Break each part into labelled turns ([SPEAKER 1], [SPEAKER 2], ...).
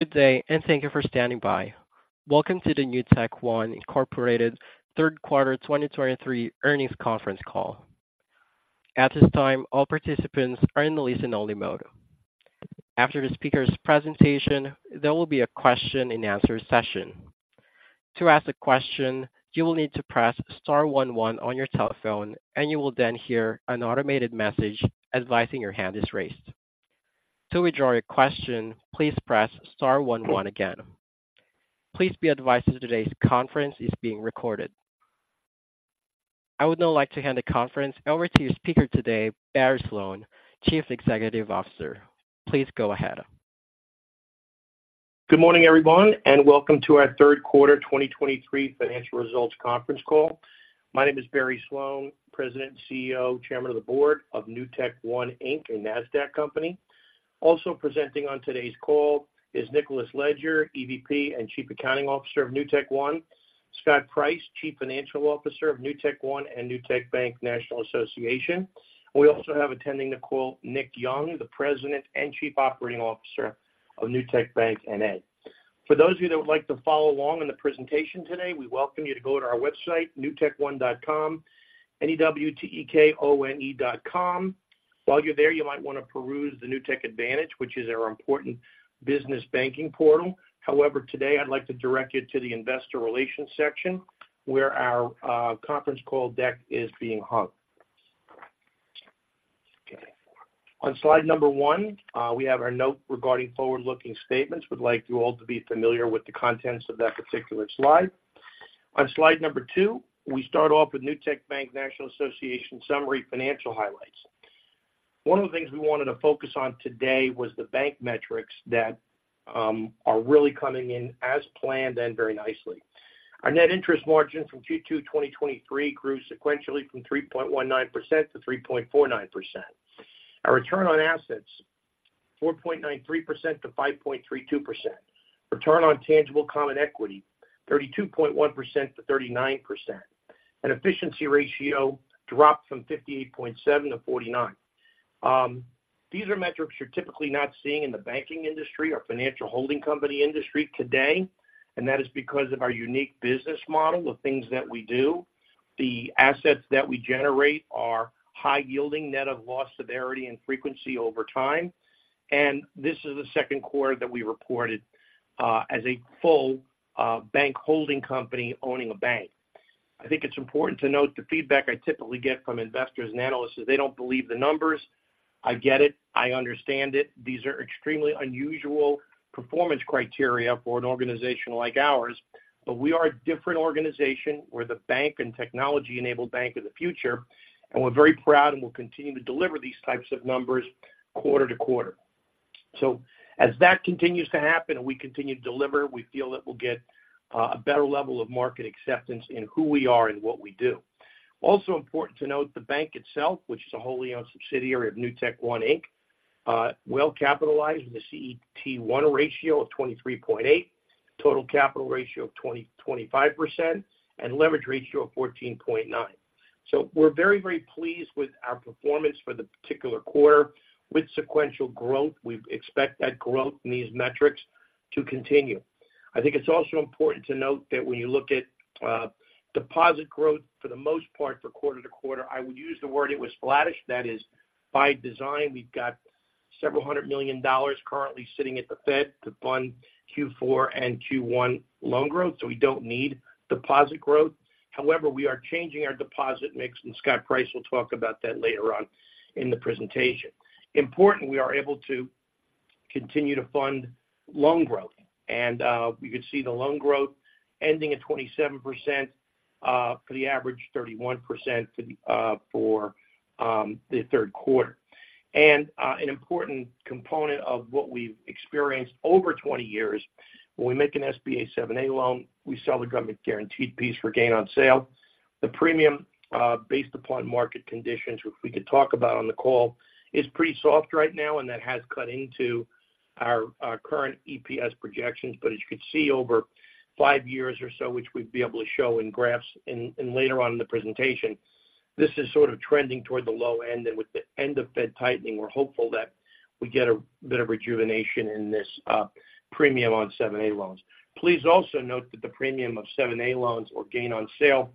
[SPEAKER 1] Good day, and thank you for standing by. Welcome to the NewtekOne, Inc. third quarter 2023 earnings conference call. At this time, all participants are in listen-only mode. After the speaker's presentation, there will be a question and answer session. To ask a question, you will need to press star one one on your telephone, and you will then hear an automated message advising your hand is raised. To withdraw your question, please press star one one again. Please be advised that today's conference is being recorded. I would now like to hand the conference over to your speaker today, Barry Sloane, Chief Executive Officer. Please go ahead.
[SPEAKER 2] Good morning, everyone, and welcome to our third quarter 2023 financial results conference call. My name is Barry Sloane, President, CEO, Chairman of the Board of NewtekOne Inc., a Nasdaq company. Also presenting on today's call is Nicholas Leger, EVP and Chief Accounting Officer of NewtekOne; Scott Bryce, Chief Financial Officer of NewtekOne and Newtek Bank, N.A. We also have attending the call, Nick Young, the President and Chief Operating Officer of Newtek Bank, N.A. For those of you that would like to follow along on the presentation today, we welcome you to go to our website, newtekone.com, N-E-W-T-E-K-O-N-E.com. While you're there, you might want to peruse the Newtek Advantage, which is our important business banking portal. However, today I'd like to direct you to the investor relations section, where our conference call deck is being hung. Okay. On slide number 1, we have our note regarding forward-looking statements. We'd like you all to be familiar with the contents of that particular slide. On slide number 2, we start off with Newtek Bank, National Association summary financial highlights. One of the things we wanted to focus on today was the bank metrics that are really coming in as planned and very nicely. Our net interest margin from Q2 2023 grew sequentially from 3.19%-3.49%. Our return on assets, 4.93%-5.32%. Return on tangible common equity, 32.1%-39%. And efficiency ratio dropped from 58.7%-49%. These are metrics you're typically not seeing in the banking industry or financial holding company industry today, and that is because of our unique business model, the things that we do. The assets that we generate are high yielding net of loss severity and frequency over time. This is the second quarter that we reported as a full bank holding company owning a bank. I think it's important to note the feedback I typically get from investors and analysts is they don't believe the numbers. I get it. I understand it. These are extremely unusual performance criteria for an organization like ours. But we are a different organization. We're the bank and technology-enabled bank of the future, and we're very proud and we'll continue to deliver these types of numbers quarter to quarter. So as that continues to happen and we continue to deliver, we feel that we'll get a better level of market acceptance in who we are and what we do. Also important to note, the bank itself, which is a wholly owned subsidiary of NewtekOne, Inc., well capitalized with a CET1 ratio of 23.8, total capital ratio of 25%, and leverage ratio of 14.9. So we're very, very pleased with our performance for the particular quarter. With sequential growth, we expect that growth in these metrics to continue. I think it's also important to note that when you look at deposit growth, for the most part, for quarter-to-quarter, I would use the word it was flattish. That is, by design, we've got $several hundred million currently sitting at the Fed to fund Q4 and Q1 loan growth, so we don't need deposit growth. However, we are changing our deposit mix, and Scott Price will talk about that later on in the presentation. Important, we are able to continue to fund loan growth, and, you can see the loan growth ending at 27%, for the average 31%, for the third quarter. And, an important component of what we've experienced over 20 years, when we make an SBA 7(a) loan, we sell the government-guaranteed piece for gain on sale. The premium, based upon market conditions, which we can talk about on the call, is pretty soft right now, and that has cut into our, our current EPS projections. But as you can see, over five years or so, which we'd be able to show in graphs and, and later on in the presentation, this is sort of trending toward the low end. And with the end of Fed tightening, we're hopeful that we get a bit of rejuvenation in this, premium on 7(a) loans. Please also note that the premium of 7(a) loans or gain on sale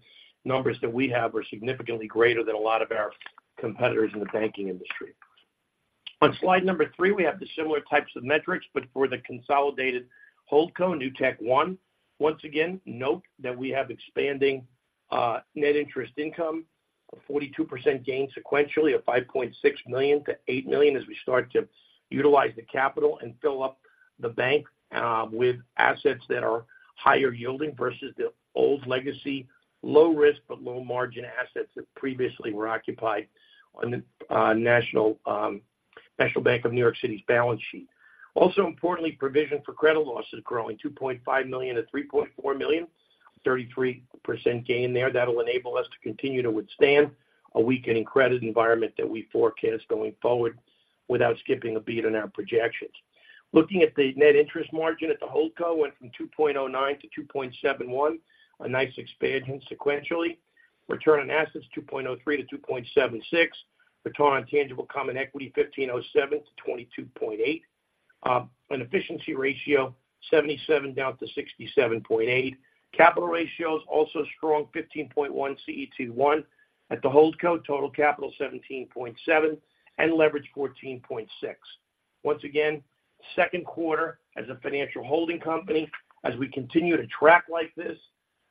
[SPEAKER 2] numbers that we have are significantly greater than a lot of our competitors in the banking industry. On slide number three, we have the similar types of metrics, but for the consolidated hold co, NewtekOne. Once again, note that we have expanding net interest income of 42% gain sequentially of $5.6 million-$8 million as we start to utilize the capital and fill up the bank with assets that are higher yielding versus the old legacy, low risk, but low margin assets that previously were occupied on the National Bank of New York City's balance sheet. Also, importantly, provision for credit losses growing $2.5 million-$3.4 million, 33% gain there. That will enable us to continue to withstand a weakening credit environment that we forecast going forward without skipping a beat on our projections. Looking at the net interest margin at the hold co went from 2.09-2.71, a nice expansion sequentially.... Return on assets, 2.03%-2.76%. Return on tangible common equity, 15.07%-22.8%. And efficiency ratio, 77% down to 67.8%. Capital ratios also strong, 15.1% CET1. At the hold co, total capital 17.7% and leverage 14.6%. Once again, second quarter as a financial holding company, as we continue to track like this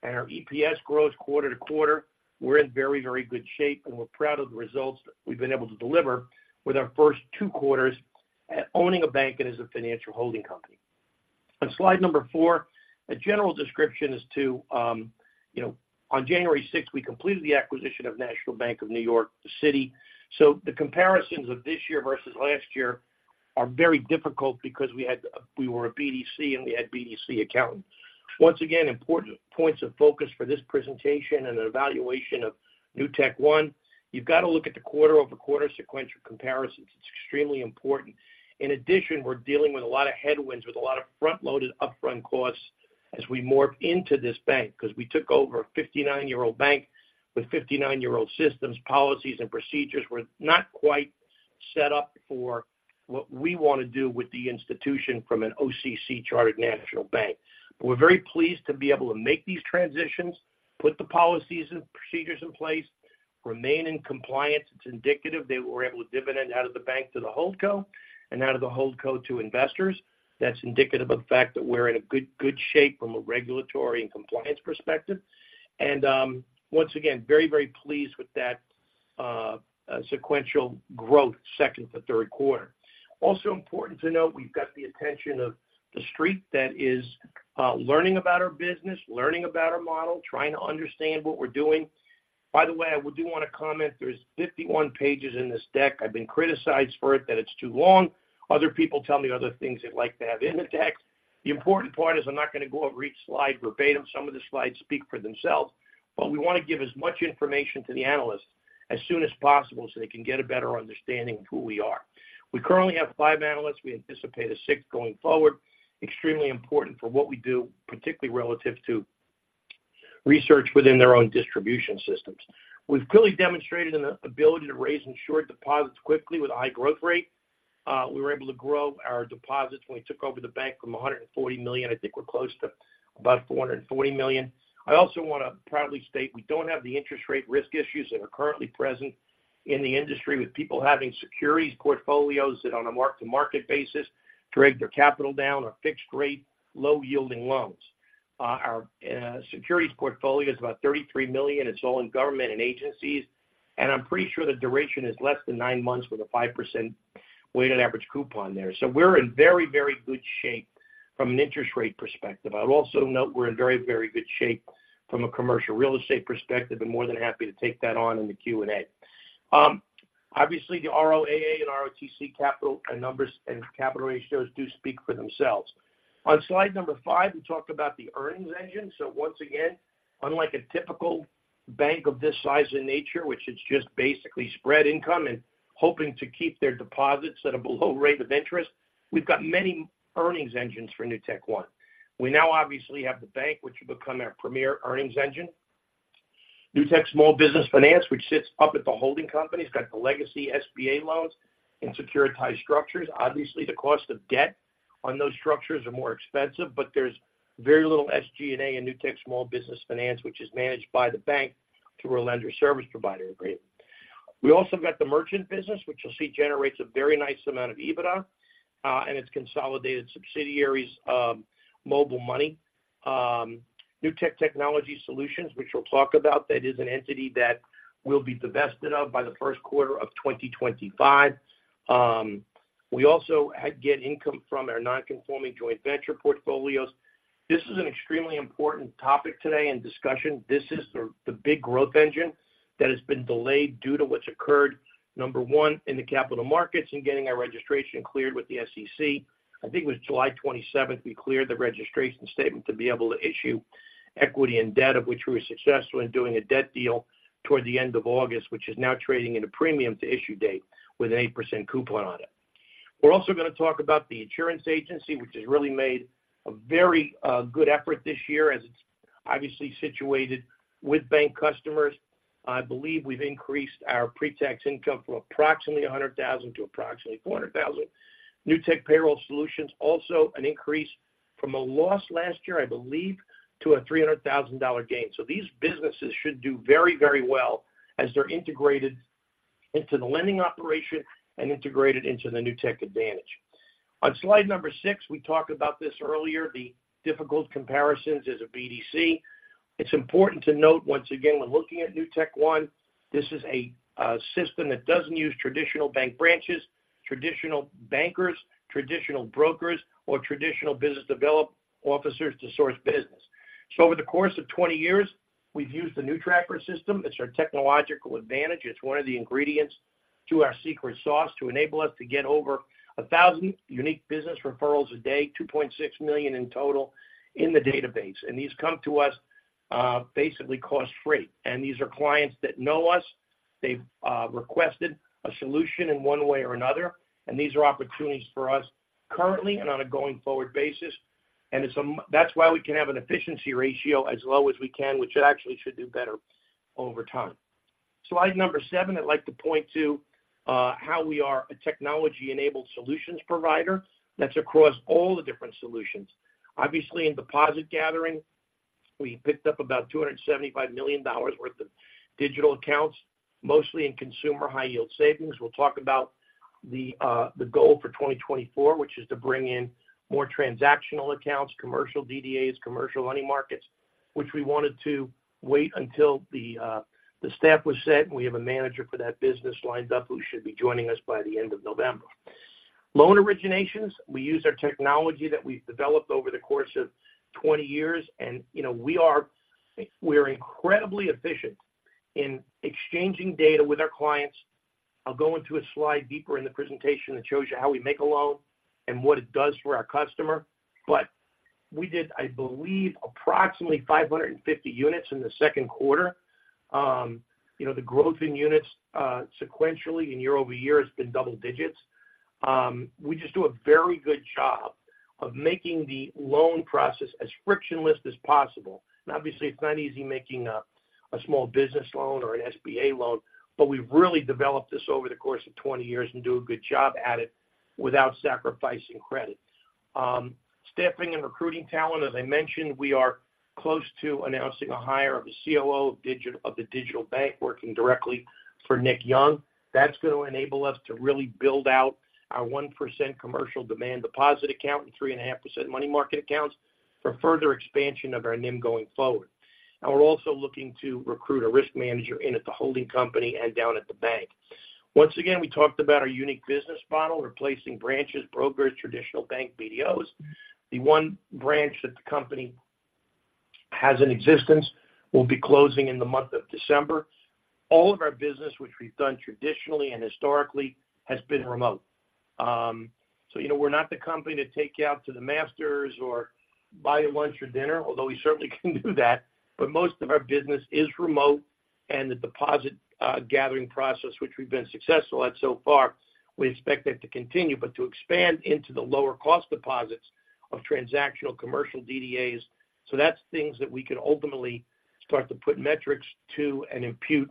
[SPEAKER 2] and our EPS grows quarter to quarter, we're in very, very good shape, and we're proud of the results we've been able to deliver with our first two quarters at owning a bank and as a financial holding company. On slide number four, a general description as to, you know, on January sixth, we completed the acquisition of National Bank of New York City. So the comparisons of this year versus last year are very difficult because we were a BDC and we had BDC accountants. Once again, important points of focus for this presentation and an evaluation of NewtekOne. You've got to look at the quarter-over-quarter sequential comparisons. It's extremely important. In addition, we're dealing with a lot of headwinds, with a lot of front-loaded upfront costs as we morph into this bank because we took over a 59-year-old bank with 59-year-old systems. Policies and procedures were not quite set up for what we want to do with the institution from an OCC chartered national bank. But we're very pleased to be able to make these transitions, put the policies and procedures in place, remain in compliance. It's indicative that we're able to dividend out of the bank to the hold co and out of the hold co to investors. That's indicative of the fact that we're in a good, good shape from a regulatory and compliance perspective. And, once again, very, very pleased with that, sequential growth, second to third quarter. Also important to note, we've got the attention of The Street that is, learning about our business, learning about our model, trying to understand what we're doing. By the way, I do want to comment, there's 51 pages in this deck. I've been criticized for it, that it's too long. Other people tell me other things they'd like to have in the deck. The important part is I'm not going to go over each slide verbatim. Some of the slides speak for themselves, but we want to give as much information to the analysts as soon as possible so they can get a better understanding of who we are. We currently have five analysts. We anticipate a sixth going forward. Extremely important for what we do, particularly relative to research within their own distribution systems. We've clearly demonstrated an ability to raise insured deposits quickly with a high growth rate. We were able to grow our deposits when we took over the bank from $140 million. I think we're close to about $440 million. I also want to proudly state we don't have the interest rate risk issues that are currently present in the industry with people having securities portfolios that on a mark-to-market basis, drag their capital down or fixed rate, low-yielding loans. Our securities portfolio is about $33 million. It's all in government and agencies, and I'm pretty sure the duration is less than 9 months with a 5% weighted average coupon there. So we're in very, very good shape from an interest rate perspective. I'll also note we're in very, very good shape from a commercial real estate perspective, and more than happy to take that on in the Q&A. Obviously, the ROAA and ROTCE capital and numbers and capital ratios do speak for themselves. On slide number five, we talked about the earnings engine. So once again, unlike a typical bank of this size and nature, which is just basically spread income and hoping to keep their deposits at a below rate of interest, we've got many earnings engines for NewtekOne. We now obviously have the bank, which will become our premier earnings engine. Newtek Small Business Finance, which sits up at the holding company, it's got the legacy SBA loans and securitized structures. Obviously, the cost of debt on those structures are more expensive, but there's very little SG&A in Newtek Small Business Finance, which is managed by the bank through a lender service provider agreement. We also got the merchant business, which you'll see generates a very nice amount of EBITDA, and its consolidated subsidiaries, Mobile Money. Newtek Technology Solutions, which we'll talk about, that is an entity that will be divested of by the first quarter of 2025. We also get income from our non-conforming joint venture portfolios. This is an extremely important topic today and discussion. This is the big growth engine that has been delayed due to what's occurred, number one, in the capital markets and getting our registration cleared with the SEC. I think it was July 27th, we cleared the registration statement to be able to issue equity and debt, of which we were successful in doing a debt deal toward the end of August, which is now trading at a premium to issue date with an 8% coupon on it. We're also going to talk about the insurance agency, which has really made a very good effort this year, as it's obviously situated with bank customers. I believe we've increased our pre-tax income from approximately $100,000 to approximately $400,000. Newtek Payroll Solutions, also an increase from a loss last year, I believe, to a $300,000 gain. So these businesses should do very, very well as they're integrated into the lending operation and integrated into the Newtek Advantage. On slide number 6, we talked about this earlier, the difficult comparisons as a BDC. It's important to note, once again, when looking at NewtekOne, this is a system that doesn't use traditional bank branches, traditional bankers, traditional brokers, or traditional business development officers to source business. So over the course of 20 years, we've used the NewTracker system. It's our technological advantage. It's one of the ingredients to our secret sauce to enable us to get over 1,000 unique business referrals a day, 2.6 million in total in the database. And these come to us, basically cost-free. And these are clients that know us. They've requested a solution in one way or another, and these are opportunities for us currently and on a going-forward basis.... It's a-- that's why we can have an efficiency ratio as low as we can, which actually should do better over time. Slide number seven, I'd like to point to how we are a technology-enabled solutions provider. That's across all the different solutions. Obviously, in deposit gathering, we picked up about $275 million worth of digital accounts, mostly in consumer high-yield savings. We'll talk about the goal for 2024, which is to bring in more transactional accounts, commercial DDAs, commercial money markets, which we wanted to wait until the staff was set, and we have a manager for that business lined up, who should be joining us by the end of November. Loan originations, we use our technology that we've developed over the course of 20 years, and, you know, we're incredibly efficient in exchanging data with our clients. I'll go into a slide deeper in the presentation that shows you how we make a loan and what it does for our customer. But we did, I believe, approximately 550 units in the second quarter. You know, the growth in units, sequentially and year over year has been double digits. We just do a very good job of making the loan process as frictionless as possible. And obviously, it's not easy making a small business loan or an SBA loan, but we've really developed this over the course of 20 years and do a good job at it without sacrificing credit. Staffing and recruiting talent. As I mentioned, we are close to announcing a hire of a COO of the digital bank, working directly for Nick Young. That's going to enable us to really build out our 1% commercial demand deposit account and 3.5% money market accounts for further expansion of our NIM going forward. And we're also looking to recruit a risk manager in at the holding company and down at the bank. Once again, we talked about our unique business model, replacing branches, brokers, traditional bank BDOs. The one branch that the company has in existence, will be closing in the month of December. All of our business, which we've done traditionally and historically, has been remote. So you know, we're not the company to take you out to the masters or buy you lunch or dinner, although we certainly can do that. But most of our business is remote and the deposit gathering process, which we've been successful at so far, we expect that to continue, but to expand into the lower-cost deposits of transactional commercial DDAs. So that's things that we can ultimately start to put metrics to and impute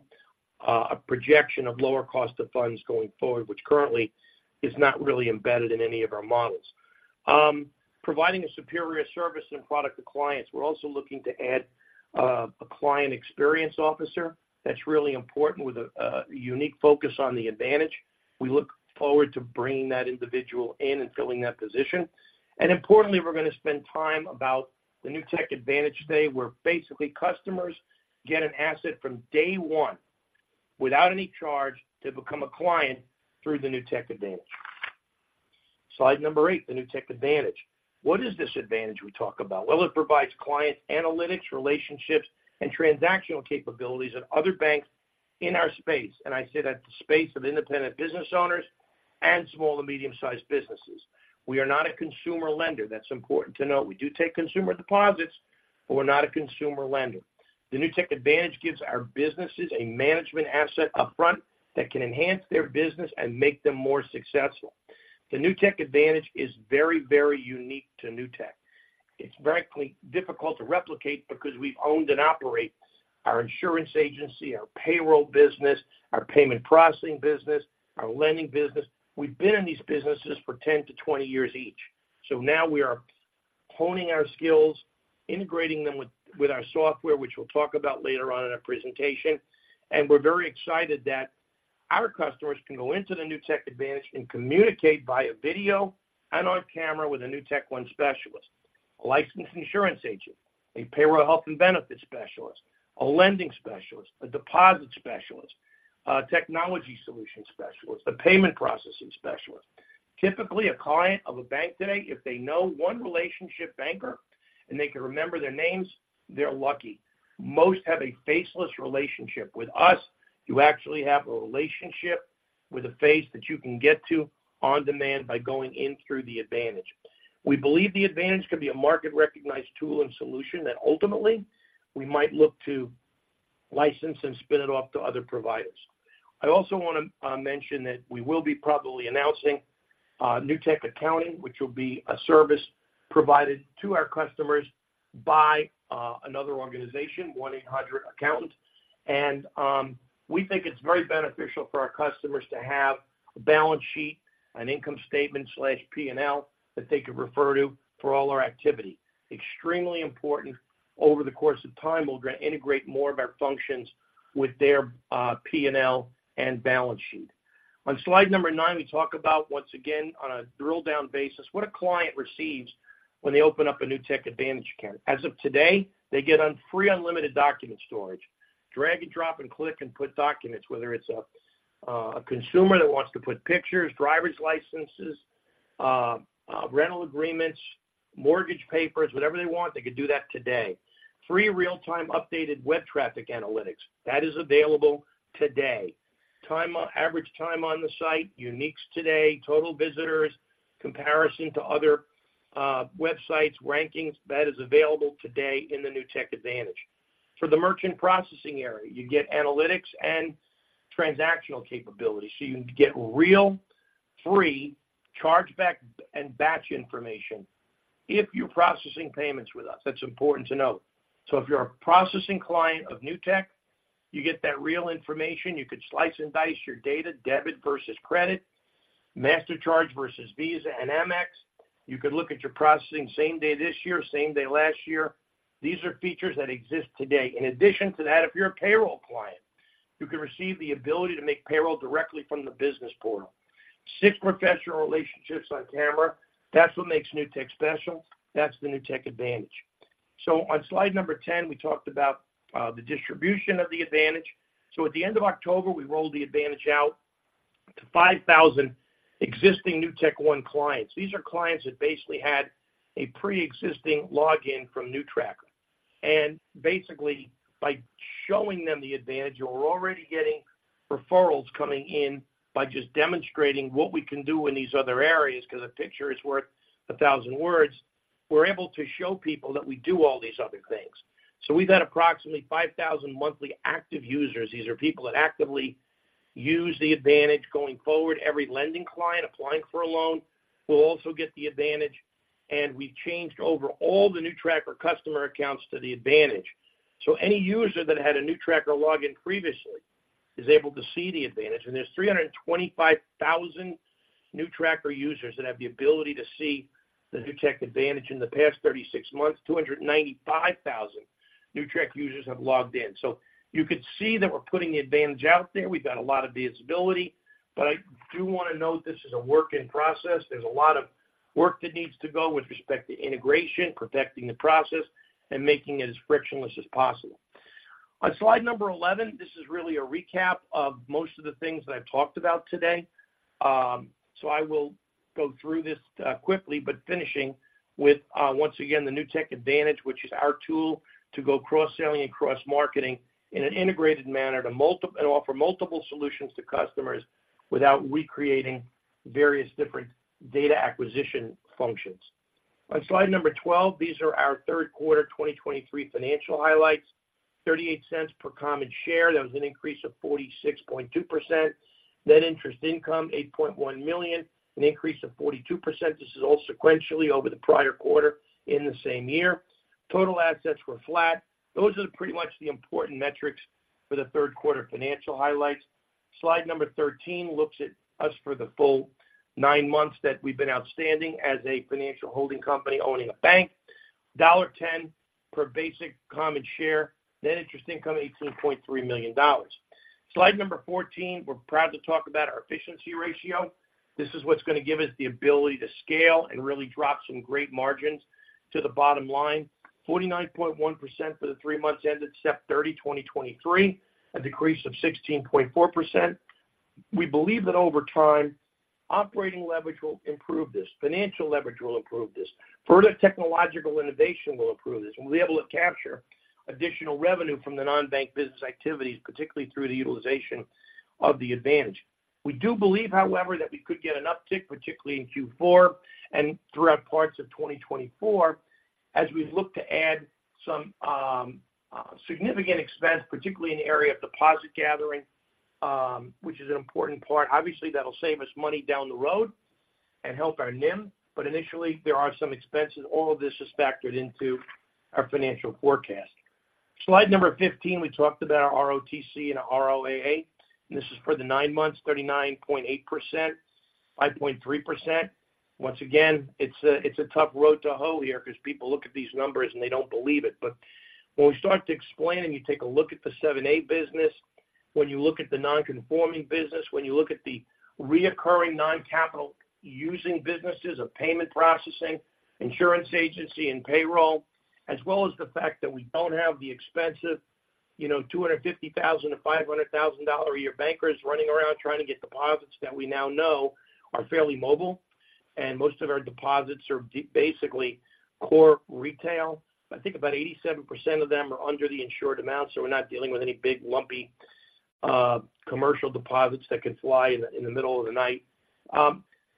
[SPEAKER 2] a projection of lower cost of funds going forward, which currently is not really embedded in any of our models. Providing a superior service and product to clients. We're also looking to add a client experience officer. That's really important, with a unique focus on the advantage. We look forward to bringing that individual in and filling that position. And importantly, we're gonna spend time about the Newtek Advantage today, where basically customers get an asset from day one without any charge to become a client through the Newtek Advantage. Slide number 8, the Newtek Advantage. What is this advantage we talk about? Well, it provides client analytics, relationships, and transactional capabilities of other banks in our space. I say that the space of independent business owners and small and medium-sized businesses. We are not a consumer lender. That's important to note. We do take consumer deposits, but we're not a consumer lender. The Newtek Advantage gives our businesses a management asset upfront that can enhance their business and make them more successful. The Newtek Advantage is very, very unique to Newtek. It's frankly difficult to replicate because we've owned and operate our insurance agency, our payroll business, our payment processing business, our lending business. We've been in these businesses for 10-20 years each. So now we are honing our skills, integrating them with our software, which we'll talk about later on in our presentation. We're very excited that our customers can go into the Newtek Advantage and communicate via video and on camera with a NewtekOne specialist, a licensed insurance agent, a payroll health and benefits specialist, a lending specialist, a deposit specialist, technology solution specialist, a payment processing specialist. Typically, a client of a bank today, if they know one relationship banker and they can remember their names, they're lucky. Most have a faceless relationship. With us, you actually have a relationship with a face that you can get to on-demand by going in through the Advantage. We believe the Advantage can be a market-recognized tool and solution that ultimately we might look to license and spin it off to other providers. I also want to mention that we will be probably announcing Newtek Accounting, which will be a service provided to our customers by another organization, 1-800Accountant. And we think it's very beneficial for our customers to have a balance sheet, an income statement/P&L, that they could refer to for all our activity. Extremely important. Over the course of time, we're gonna integrate more of our functions with their P&L and balance sheet. On slide number 9, we talk about, once again, on a drill down basis, what a client receives when they open up a Newtek Advantage account. As of today, they get free, unlimited document storage. Drag and drop and click and put documents, whether it's a consumer that wants to put pictures, driver's licenses, rental agreements, mortgage papers, whatever they want, they can do that today. Free real-time updated web traffic analytics. That is available today. Average time on the site, uniques today, total visitors, comparison to other websites, rankings, that is available today in the Newtek Advantage. For the merchant processing area, you get analytics and transactional capabilities. So you can get real free chargeback and batch information if you're processing payments with us. That's important to note. So if you're a processing client of Newtek, you get that real information. You could slice and dice your data, debit versus credit, Master Charge versus Visa and Amex. You could look at your processing same day this year, same day last year. These are features that exist today. In addition to that, if you're a payroll client, you can receive the ability to make payroll directly from the business portal. Six professional relationships on camera. That's what makes Newtek special. That's the Newtek Advantage. So on slide number 10, we talked about the distribution of the advantage. So at the end of October, we rolled the advantage out to 5,000 existing NewtekOne clients. These are clients that basically had a pre-existing login from NewTracker. And basically, by showing them the advantage, we're already getting referrals coming in by just demonstrating what we can do in these other areas, 'cause a picture is worth 1,000 words. We're able to show people that we do all these other things. So we've had approximately 5,000 monthly active users. These are people that actively use the advantage going forward. Every lending client applying for a loan will also get the Advantage, and we've changed over all the NewTracker customer accounts to the Advantage. So any user that had a NewTracker login previously is able to see the Advantage, and there's 325,000 NewTracker users that have the ability to see the Newtek Advantage. In the past 36 months, 295,000 NewTracker users have logged in. So you could see that we're putting the Advantage out there. We've got a lot of visibility, but I do wanna note this is a work in process. There's a lot of work that needs to go with respect to integration, perfecting the process, and making it as frictionless as possible. On slide number 11, this is really a recap of most of the things that I've talked about today. So I will go through this quickly, but finishing with once again, the Newtek Advantage, which is our tool to go cross-selling and cross-marketing in an integrated manner to multiple- and offer multiple solutions to customers without recreating various different data acquisition functions. On slide number 12, these are our third quarter 2023 financial highlights, $0.38 per common share. That was an increase of 46.2%. Net interest income, $8.1 million, an increase of 42%. This is all sequentially over the prior quarter in the same year. Total assets were flat. Those are pretty much the important metrics for the third quarter financial highlights. Slide number 13 looks at us for the full nine months that we've been outstanding as a financial holding company owning a bank. $10 per basic common share, net interest income, $18.3 million. Slide 14, we're proud to talk about our efficiency ratio. This is what's gonna give us the ability to scale and really drop some great margins to the bottom line. 49.1% for the three months ended September 30, 2023, a decrease of 16.4%. We believe that over time, operating leverage will improve this, financial leverage will improve this, further technological innovation will improve this, and we'll be able to capture additional revenue from the non-bank business activities, particularly through the utilization of the advantage. We do believe, however, that we could get an uptick, particularly in Q4 and throughout parts of 2024, as we look to add some significant expense, particularly in the area of deposit gathering, which is an important part. Obviously, that'll save us money down the road and help our NIM, but initially, there are some expenses. All of this is factored into our financial forecast. Slide number 15, we talked about our ROTCE and our ROAA. This is for the nine months, 39.8%, 5.3%. Once again, it's a tough road to hoe here because people look at these numbers, and they don't believe it. But when we start to explain and you take a look at the 7(a) business, when you look at the non-conforming business, when you look at the reoccurring non-capital using businesses of payment processing, insurance agency, and payroll, as well as the fact that we don't have the expensive, you know, $250,000-$500,000 a year bankers running around trying to get deposits that we now know are fairly mobile. And most of our deposits are basically core retail. I think about 87% of them are under the insured amount, so we're not dealing with any big, lumpy, commercial deposits that could fly in the middle of the night.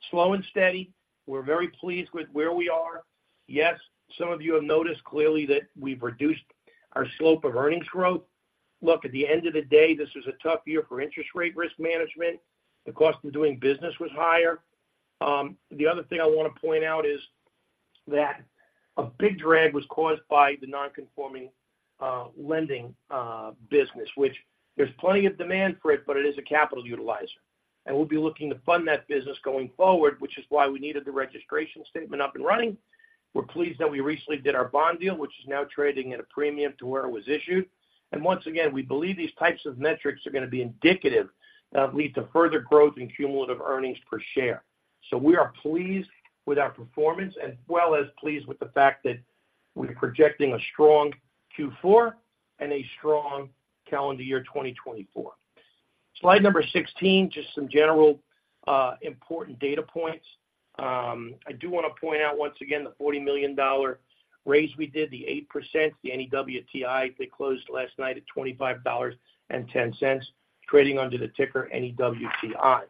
[SPEAKER 2] Slow and steady. We're very pleased with where we are. Yes, some of you have noticed clearly that we've reduced our slope of earnings growth. Look, at the end of the day, this was a tough year for interest rate risk management. The cost of doing business was higher. The other thing I wanna point out is that a big drag was caused by the non-conforming lending business, which there's plenty of demand for it, but it is a capital utilizer, and we'll be looking to fund that business going forward, which is why we needed the registration statement up and running. We're pleased that we recently did our bond deal, which is now trading at a premium to where it was issued. Once again, we believe these types of metrics are gonna be indicative, lead to further growth in cumulative earnings per share. So we are pleased with our performance, as well as pleased with the fact that we're projecting a strong Q4 and a strong calendar year 2024. Slide 16, just some general, important data points. I do wanna point out once again, the $40 million raise we did, the 8%, the NEWTI, they closed last night at $25.10, trading under the ticker NEWTI.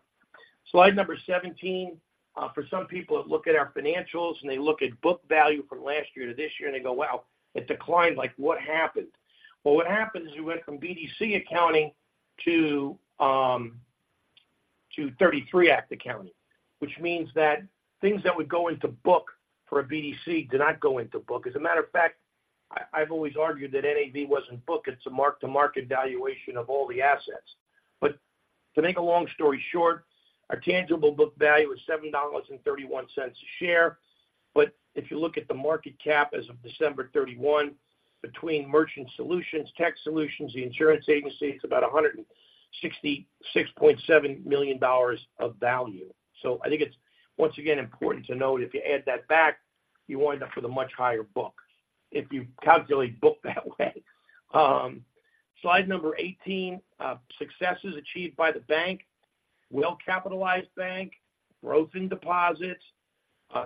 [SPEAKER 2] Slide 17. For some people that look at our financials and they look at book value from last year to this year, and they go, "Wow, it declined. Like, what happened?" Well, what happened is we went from BDC accounting to '33 Act accounting, which means that things that would go into book for a BDC do not go into book. As a matter of fact, I've always argued that NAV wasn't book. It's a mark-to-market valuation of all the assets. But to make a long story short, our tangible book value is $7.31 a share. But if you look at the market cap as of December 31, between merchant solutions, tech solutions, the insurance agency, it's about $166.7 million of value. So I think it's once again important to note if you add that back, you wind up with a much higher book if you calculate book that way. Slide number 18, successes achieved by the bank. Well-capitalized bank, growth in deposits,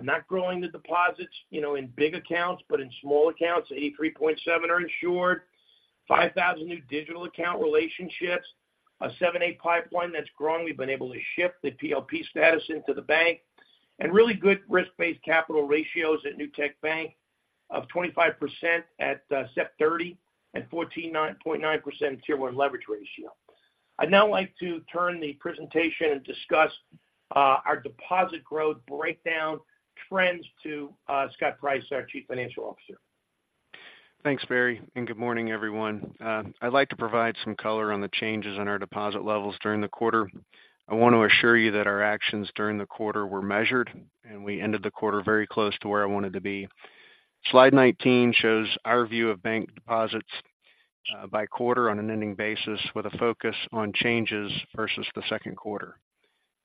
[SPEAKER 2] not growing the deposits, you know, in big accounts, but in small accounts. 83.7 are insured, 5,000 new digital account relationships, a 7(a) pipeline that's growing. We've been able to ship the PLP status into the bank, and really good risk-based capital ratios at Newtek Bank of 25% at September 30 and 14.9% Tier 1 leverage ratio. I'd now like to turn the presentation and discuss our deposit growth breakdown trends to Scott Price, our Chief Financial Officer.
[SPEAKER 3] Thanks, Barry, and good morning, everyone. I'd like to provide some color on the changes in our deposit levels during the quarter. I want to assure you that our actions during the quarter were measured, and we ended the quarter very close to where I wanted to be. Slide 19 shows our view of bank deposits by quarter on an ending basis, with a focus on changes versus the second quarter.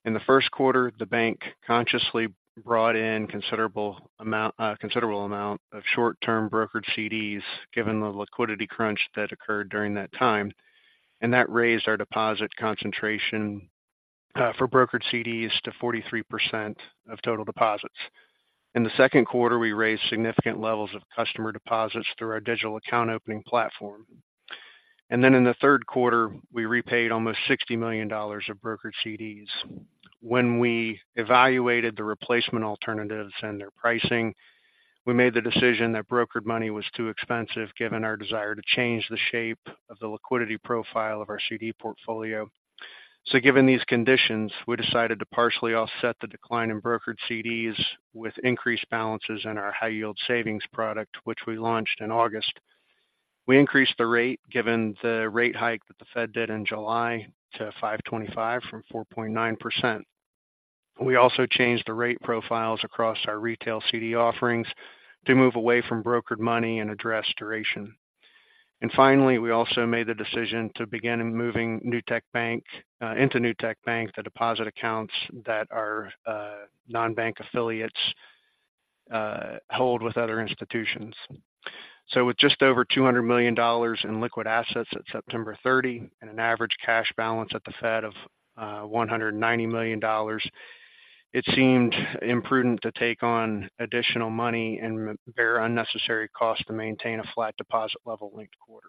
[SPEAKER 3] In the first quarter, the bank consciously brought in considerable amount of short-term brokered CDs, given the liquidity crunch that occurred during that time. That raised our deposit concentration for brokered CDs to 43% of total deposits. In the second quarter, we raised significant levels of customer deposits through our digital account opening platform. Then in the third quarter, we repaid almost $60 million of brokered CDs. When we evaluated the replacement alternatives and their pricing, we made the decision that brokered money was too expensive, given our desire to change the shape of the liquidity profile of our CD portfolio. So given these conditions, we decided to partially offset the decline in brokered CDs with increased balances in our high yield savings product, which we launched in August. We increased the rate, given the rate hike that the Fed did in July, to 5.25% from 4.9%. We also changed the rate profiles across our retail CD offerings to move away from brokered money and address duration. And finally, we also made the decision to begin moving Newtek Bank into Newtek Bank, the deposit accounts that our non-bank affiliates hold with other institutions. So with just over $200 million in liquid assets at September 30 and an average cash balance at the Fed of $190 million, it seemed imprudent to take on additional money and bear unnecessary costs to maintain a flat deposit level linked quarter.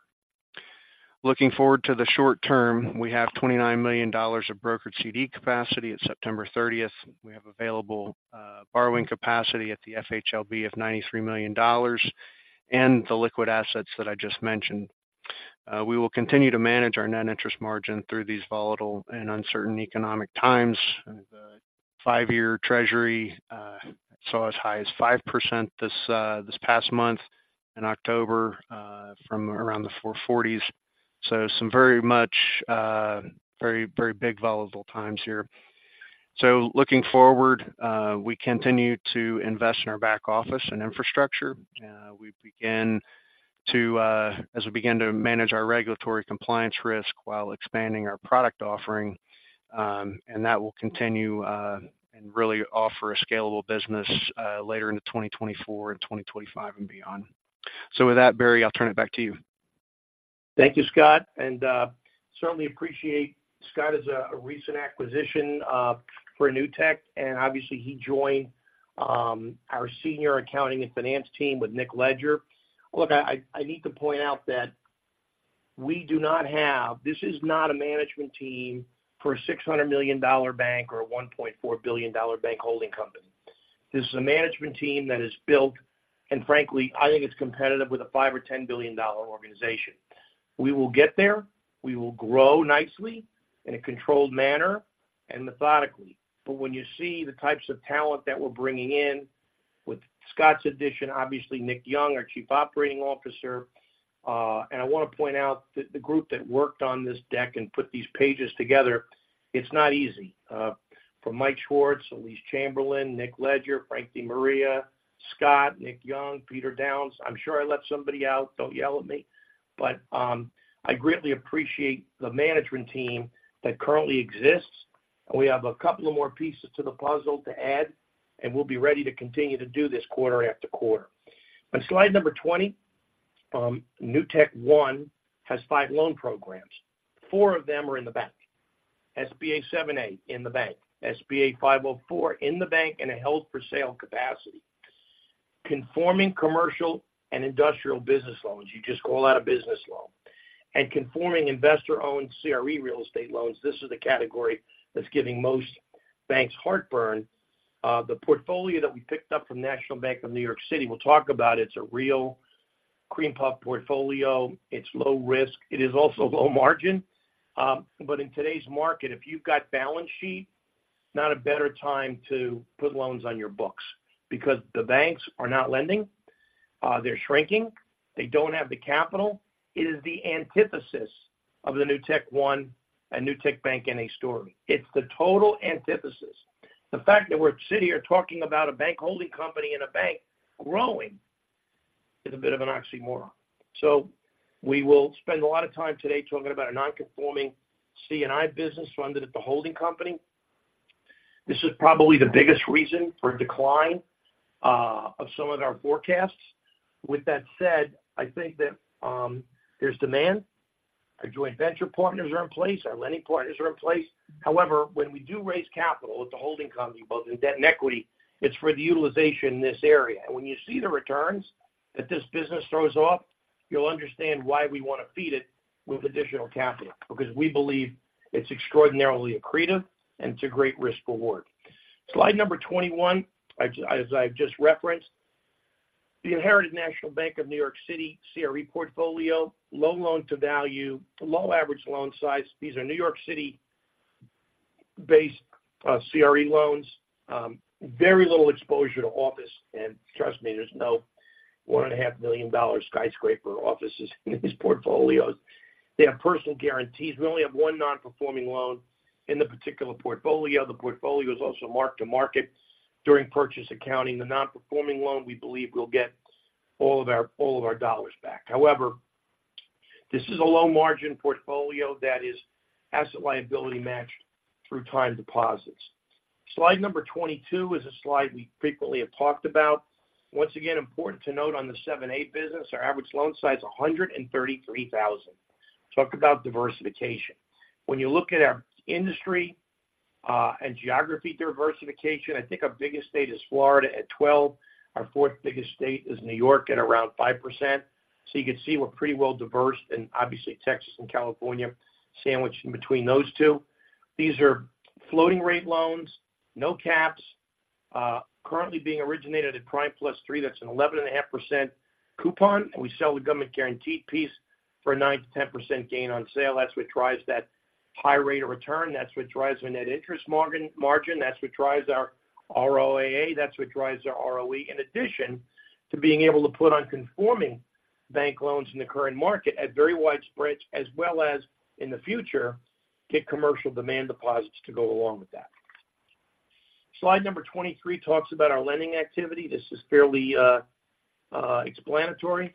[SPEAKER 3] Looking forward to the short term, we have $29 million of brokered CD capacity at September 30. We have available borrowing capacity at the FHLB of $93 million and the liquid assets that I just mentioned. We will continue to manage our net interest margin through these volatile and uncertain economic times. The five-year Treasury saw as high as 5% this past month in October from around the 4.40s. So some very much, very, very big volatile times here. So looking forward, we continue to invest in our back office and infrastructure. As we begin to manage our regulatory compliance risk while expanding our product offering, and that will continue, and really offer a scalable business later into 2024 and 2025 and beyond. So with that, Barry, I'll turn it back to you.
[SPEAKER 2] Thank you, Scott, and certainly appreciate. Scott is a recent acquisition for Newtek, and obviously, he joined our senior accounting and finance team with Nick Leger. Look, I need to point out that we do not have. This is not a management team for a $600 million bank or a $1.4 billion bank holding company. This is a management team that is built, and frankly, I think it's competitive with a $5 billion or $10 billion organization. We will get there. We will grow nicely in a controlled manner and methodically. But when you see the types of talent that we're bringing in with Scott's addition, obviously Nick Young, our Chief Operating Officer. And I want to point out that the group that worked on this deck and put these pages together, it's not easy. From Mike Schwartz, Elise Chamberlain, Nick Leger, Frank DeMaria, Scott, Nick Young, Peter Downs. I'm sure I left somebody out. Don't yell at me. But, I greatly appreciate the management team that currently exists. And we have a couple of more pieces to the puzzle to add, and we'll be ready to continue to do this quarter after quarter. On slide number 20, NewtekOne has five loan programs. Four of them are in the bank. SBA 7(a) in the bank, SBA 504 in the bank in a held-for-sale capacity. Conforming commercial and industrial business loans. You just call out a business loan. And conforming investor-owned CRE real estate loans, this is the category that's giving most banks heartburn. The portfolio that we picked up from National Bank of New York City, we'll talk about, it's a real cream puff portfolio. It's low risk. It is also low margin. But in today's market, if you've got balance sheet, it's not a better time to put loans on your books because the banks are not lending. They're shrinking. They don't have the capital. It is the antithesis of the NewtekOne and Newtek Bank in a story. It's the total antithesis. The fact that we're sitting here talking about a bank holding company and a bank growing, is a bit of an oxymoron. So we will spend a lot of time today talking about a non-conforming C&I business funded at the holding company. This is probably the biggest reason for a decline of some of our forecasts. With that said, I think that, there's demand. Our joint venture partners are in place, our lending partners are in place. However, when we do raise capital at the holding company, both in debt and equity, it's for the utilization in this area. And when you see the returns that this business throws off, you'll understand why we want to feed it with additional capital, because we believe it's extraordinarily accretive and it's a great risk reward. Slide number 21. As I've just referenced, the inherited National Bank of New York City CRE portfolio, low loan to value, low average loan size. These are New York City-based CRE loans, very little exposure to office. And trust me, there's no $1.5 million skyscraper offices in these portfolios. They have personal guarantees. We only have one non-performing loan in the particular portfolio. The portfolio is also mark to market during purchase accounting. The non-performing loan, we believe, will get all of our dollars back. However, this is a low-margin portfolio that is asset liability matched through time deposits. Slide number 22 is a slide we frequently have talked about. Once again, important to note on the 7(a) business, our average loan size is $133,000. Talk about diversification. When you look at our industry and geography diversification, I think our biggest state is Florida at 12%. Our fourth biggest state is New York at around 5%. So you can see we're pretty well diverse in obviously, Texas and California, sandwiched in between those two. These are floating rate loans, no caps, currently being originated at prime + 3. That's an 11.5% coupon, and we sell the government guarantee piece for a 9%-10% gain on sale. That's what drives that high rate of return. That's what drives our net interest margin, margin. That's what drives our ROAA, that's what drives our ROE. In addition to being able to put on conforming bank loans in the current market at very wide spreads, as well as in the future, get commercial demand deposits to go along with that. Slide number 23 talks about our lending activity. This is fairly explanatory.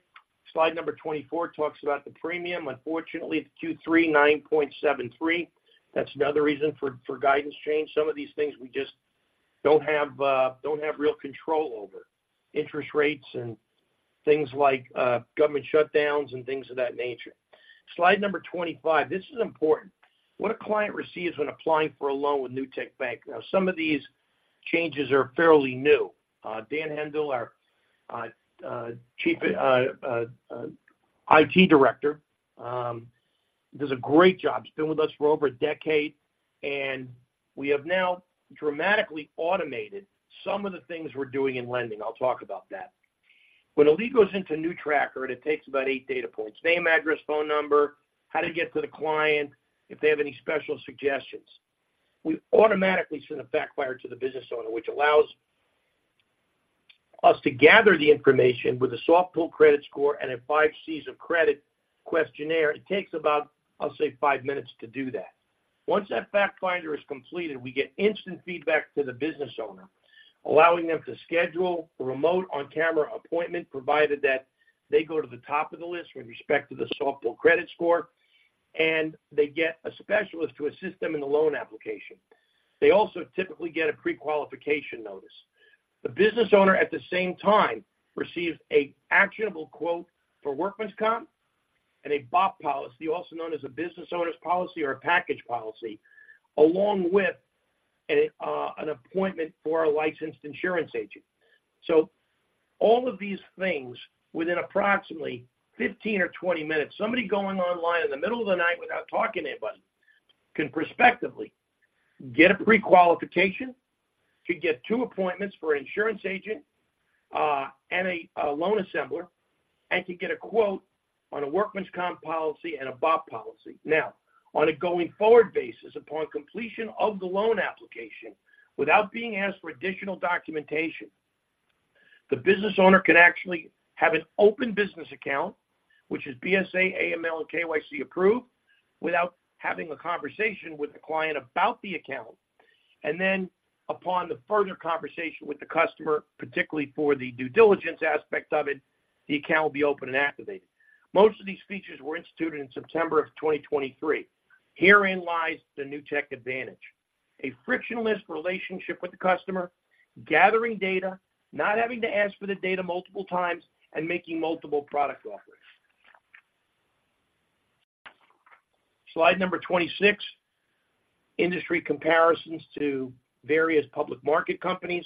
[SPEAKER 2] Slide number 24 talks about the premium. Unfortunately, it's 239.73. That's another reason for guidance change. Some of these things, we just don't have real control over. Interest rates and things like government shutdowns and things of that nature. Slide number 25. This is important. What a client receives when applying for a loan with Newtek Bank. Now, some of these changes are fairly new. Dan Hendel, our Chief IT Director, does a great job. He's been with us for over a decade, and we have now dramatically automated some of the things we're doing in lending. I'll talk about that. When a lead goes into a NewTracker, and it takes about 8 data points: name, address, phone number, how to get to the client, if they have any special suggestions. We automatically send a fact finder to the business owner, which allows us to gather the information with a soft pull credit score and a 5 Cs of credit questionnaire. It takes about, I'll say, 5 minutes to do that. Once that fact finder is completed, we get instant feedback to the business owner, allowing them to schedule a remote on-camera appointment, provided that they go to the top of the list with respect to the soft pull credit score, and they get a specialist to assist them in the loan application. They also typically get a prequalification notice. The business owner, at the same time, receives a actionable quote for workman's comp and a BOP policy, also known as a business owner's policy or a package policy, along with an appointment for our licensed insurance agent. So all of these things, within approximately 15 or 20 minutes, somebody going online in the middle of the night without talking to anybody, can prospectively get a prequalification, could get two appointments for an insurance agent, and a loan assembler, and could get a quote on a workman's comp policy and a BOP policy. Now, on a going-forward basis, upon completion of the loan application, without being asked for additional documentation, the business owner can actually have an open business account, which is BSA, AML, and KYC approved, without having a conversation with the client about the account. Then upon the further conversation with the customer, particularly for the due diligence aspect of it, the account will be open and activated. Most of these features were instituted in September of 2023. Herein lies the Newtek Advantage: a frictionless relationship with the customer, gathering data, not having to ask for the data multiple times, and making multiple product offers. Slide number 26, industry comparisons to various public market companies.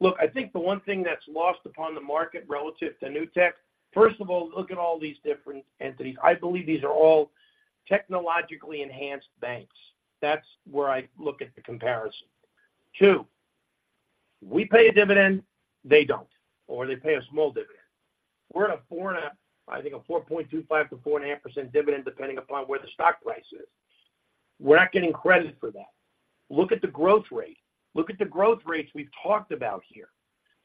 [SPEAKER 2] Look, I think the one thing that's lost upon the market relative to Newtek. First of all, look at all these different entities. I believe these are all technologically enhanced banks. That's where I look at the comparison. 2, we pay a dividend, they don't, or they pay a small dividend. We're at a 4 and a- I think a 4.25%-4.5% dividend, depending upon where the stock price is. We're not getting credit for that. Look at the growth rate. Look at the growth rates we've talked about here.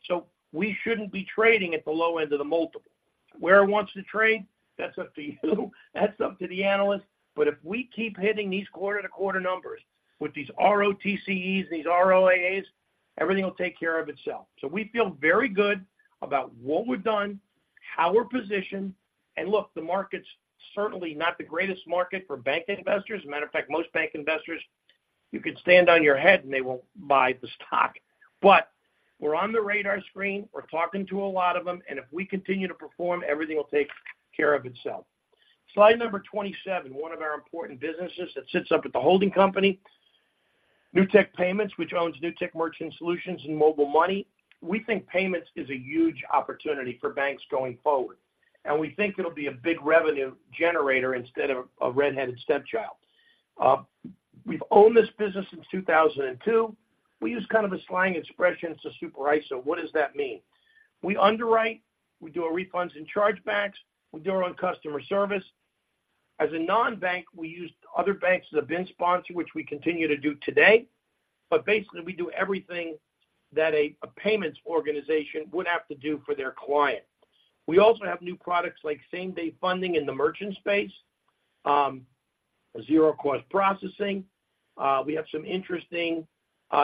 [SPEAKER 2] So we shouldn't be trading at the low end of the multiple. Where it wants to trade, that's up to you, that's up to the analyst. But if we keep hitting these quarter-to-quarter numbers with these ROTCEs and these ROAAs, everything will take care of itself. So we feel very good about what we've done, how we're positioned. And look, the market's certainly not the greatest market for bank investors. As a matter of fact, most bank investors, you could stand on your head and they won't buy the stock. But we're on the radar screen, we're talking to a lot of them, and if we continue to perform, everything will take care of itself. Slide number 27, one of our important businesses that sits up at the holding company, Newtek Payments, which owns Newtek Merchant Solutions and Mobile Money. We think payments is a huge opportunity for banks going forward, and we think it'll be a big revenue generator instead of a red-headed stepchild. We've owned this business since 2002. We use kind of a slang expression. It's a super ISO. What does that mean? We underwrite, we do a refunds and chargebacks. We do our own customer service. As a non-bank, we use other banks as a BIN sponsor, which we continue to do today. But basically, we do everything that a, a payments organization would have to do for their client. We also have new products like same-day funding in the merchant space, a zero-cost processing. We have some interesting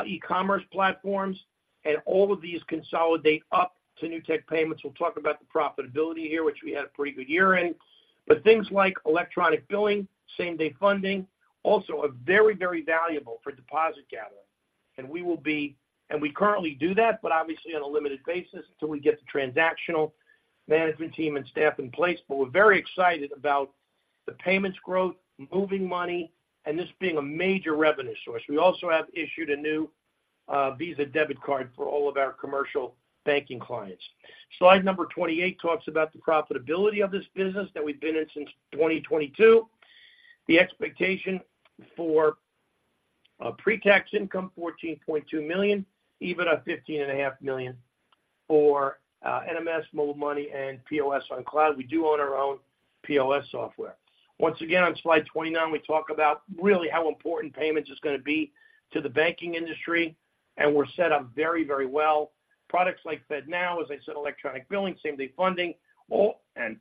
[SPEAKER 2] e-commerce platforms, and all of these consolidate up to Newtek Payments. We'll talk about the profitability here, which we had a pretty good year in. But things like electronic billing, same-day funding, also are very, very valuable for deposit gathering. And we will be-- and we currently do that, but obviously on a limited basis, until we get the transactional management team and staff in place. But we're very excited about the payments growth, moving money, and this being a major revenue source. We also have issued a new visa debit card for all of our commercial banking clients. Slide number 28 talks about the profitability of this business that we've been in since 2022. The expectation for a pre-tax income, $14.2 million, even $15.5 million for NMS, Mobile Money, and POS on Cloud. We do own our own POS software. Once again, on slide 29, we talk about really how important payments is gonna be to the banking industry, and we're set up very, very well. Products like FedNow, as I said, electronic billing, same-day funding, all, and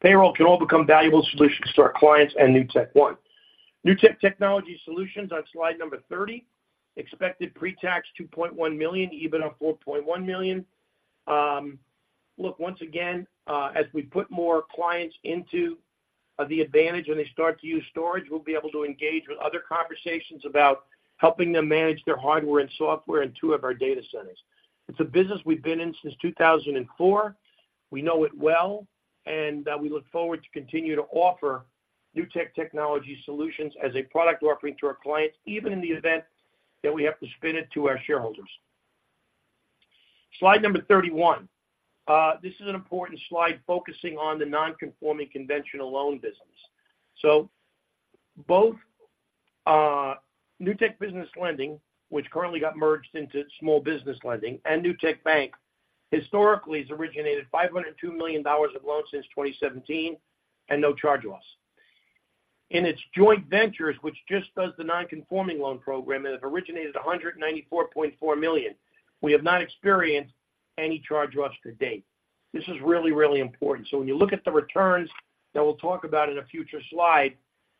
[SPEAKER 2] payroll can all become valuable solutions to our clients and Newtek One. Newtek Technology Solutions on slide number 30. Expected pre-tax $2.1 million, EBIT of $4.1 million. Look, once again, as we put more clients into the advantage and they start to use storage, we'll be able to engage with other conversations about helping them manage their hardware and software in two of our data centers. It's a business we've been in since 2004. We know it well, and we look forward to continue to offer Newtek Technology Solutions as a product offering to our clients, even in the event that we have to spin it to our shareholders. Slide number 31. This is an important slide focusing on the non-conforming conventional loan business. So both Newtek Business Lending, which currently got merged into small business lending, and Newtek Bank, historically has originated $502 million of loans since 2017, and no charge loss. In its joint ventures, which just does the non-conforming loan program, and have originated $194.4 million. We have not experienced any charge loss to date. This is really, really important. So when you look at the returns that we'll talk about in a future slide,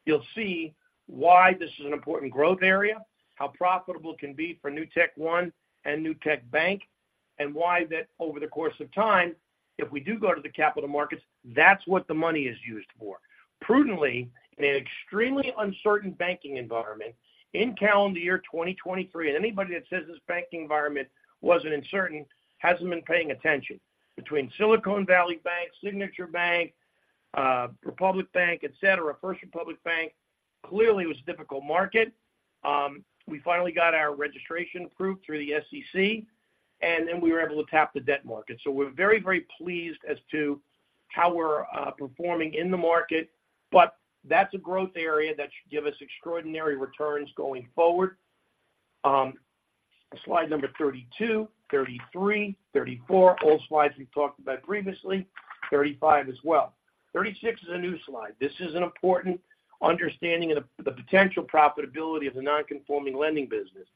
[SPEAKER 2] you'll see why this is an important growth area, how profitable it can be for NewtekOne and Newtek Bank, and why that over the course of time, if we do go to the capital markets, that's what the money is used for. Prudently, in an extremely uncertain banking environment, in calendar year 2023, and anybody that says this banking environment wasn't uncertain, hasn't been paying attention. Between Silicon Valley Bank, Signature Bank, Republic Bank, et cetera, First Republic Bank, clearly it was a difficult market. We finally got our registration approved through the SEC, and then we were able to tap the debt market. So we're very, very pleased as to how we're performing in the market, but that's a growth area that should give us extraordinary returns going forward. Slide number 32, 33, 34, all slides we've talked about previously, 35 as well. 36 is a new slide. This is an important understanding of the, the potential profitability of the non-conforming lending business.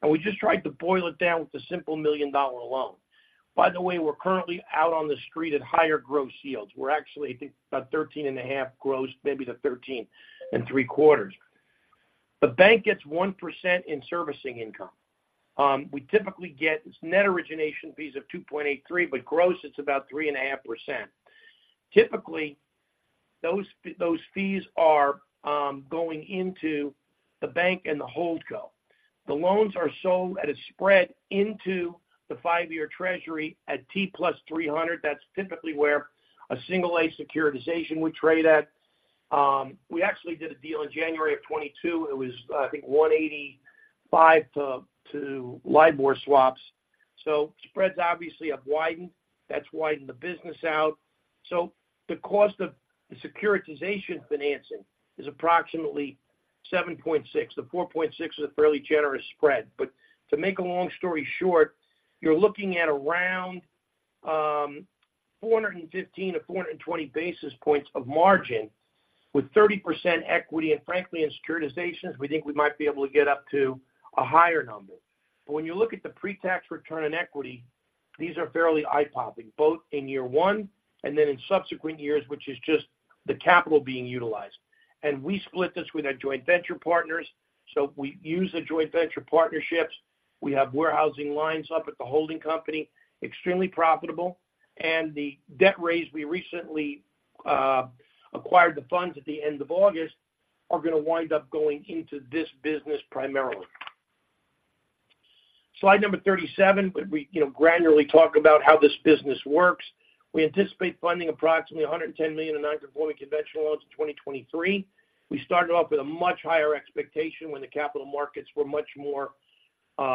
[SPEAKER 2] And we just tried to boil it down with a simple $1 million loan. By the way, we're currently out on the street at higher gross yields. We're actually, I think, about 13.5 gross, maybe to 13.75. The bank gets 1% in servicing income. We typically get its net origination fees of 2.83, but gross, it's about 3.5%. Typically, those fees are going into the bank and the hold co. The loans are sold at a spread into the 5-year Treasury at T+300. That's typically where a single-A securitization would trade at. We actually did a deal in January of 2022. It was, I think, 185 to LIBOR swaps. So spreads obviously have widened. That's widened the business out. So the cost of the securitization financing is approximately 7.6. The 4.6 is a fairly generous spread. But to make a long story short, you're looking at around 415-420 basis points of margin with 30% equity, and frankly, in securitizations, we think we might be able to get up to a higher number. But when you look at the pre-tax return on equity, these are fairly eye-popping, both in year one and then in subsequent years, which is just the capital being utilized. And we split this with our joint venture partners, so we use the joint venture partnerships. We have warehousing lines up at the holding company, extremely profitable, and the debt raise we recently acquired the funds at the end of August are gonna wind up going into this business primarily. Slide number 37, but we, you know, granularly talk about how this business works. We anticipate funding approximately $110 million in non-conforming conventional loans in 2023. We started off with a much higher expectation when the capital markets were much more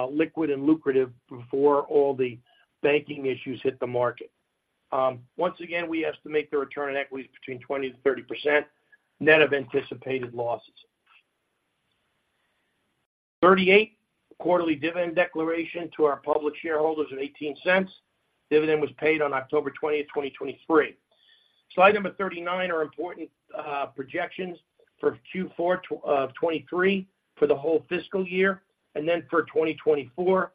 [SPEAKER 2] liquid and lucrative before all the banking issues hit the market. Once again, we estimate the return on equity between 20%-30%, net of anticipated losses. 38, quarterly dividend declaration to our public shareholders of $0.18. Dividend was paid on October 20, 2023. Slide number 39 are important projections for Q4 of 2023 for the whole fiscal year and then for 2024.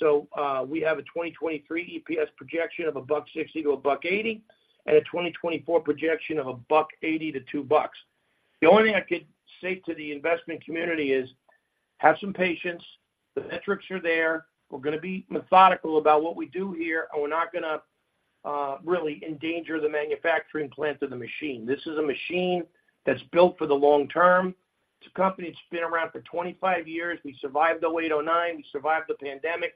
[SPEAKER 2] So, we have a 2023 EPS projection of $1.60-$1.80, and a 2024 projection of $1.80-$2.00. The only thing I could say to the investment community is: have some patience. The metrics are there. We're gonna be methodical about what we do here, and we're not gonna really endanger the manufacturing plant of the machine. This is a machine that's built for the long term. It's a company that's been around for 25 years. We survived 2008, 2009. We survived the pandemic.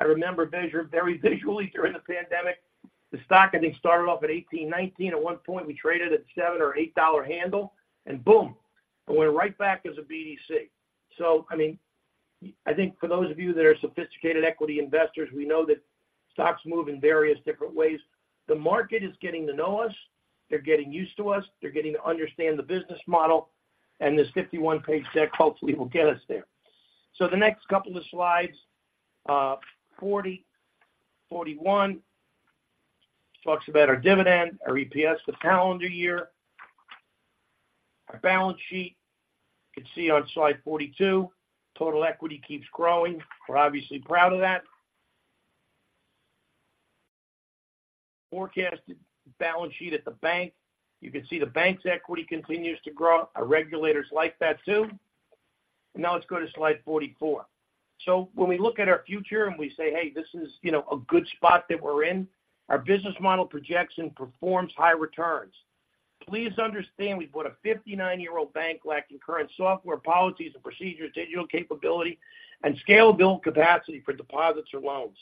[SPEAKER 2] I remember very, very visually during the pandemic, the stock, I think, started off at $18, $19. At one point, we traded at seven or eight dollar handle, and boom, it went right back as a BDC. So I mean, I think for those of you that are sophisticated equity investors, we know that stocks move in various different ways. The market is getting to know us. They're getting used to us. They're getting to understand the business model, and this 51-page deck hopefully will get us there. So the next couple of slides, 40, 41, talks about our dividend, our EPS, the calendar year. Our balance sheet, you can see on slide 42. Total equity keeps growing. We're obviously proud of that. Forecasted balance sheet at the bank. You can see the bank's equity continues to grow. Our regulators like that too. Now let's go to slide 44. So when we look at our future and we say, "Hey, this is, you know, a good spot that we're in," our business model projection performs high returns. Please understand we've got a 59-year-old bank lacking current software, policies and procedures, digital capability, and scale build capacity for deposits or loans.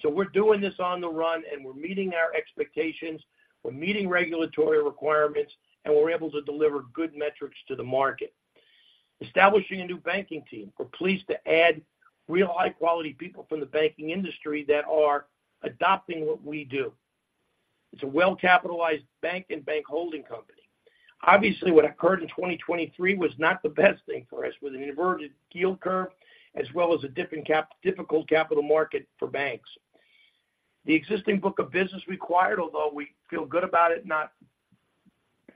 [SPEAKER 2] So we're doing this on the run, and we're meeting our expectations, we're meeting regulatory requirements, and we're able to deliver good metrics to the market. Establishing a new banking team. We're pleased to add real high-quality people from the banking industry that are adopting what we do. It's a well-capitalized bank and bank holding company. Obviously, what occurred in 2023 was not the best thing for us, with an inverted yield curve as well as a difficult capital market for banks. The existing book of business required, although we feel good about it, not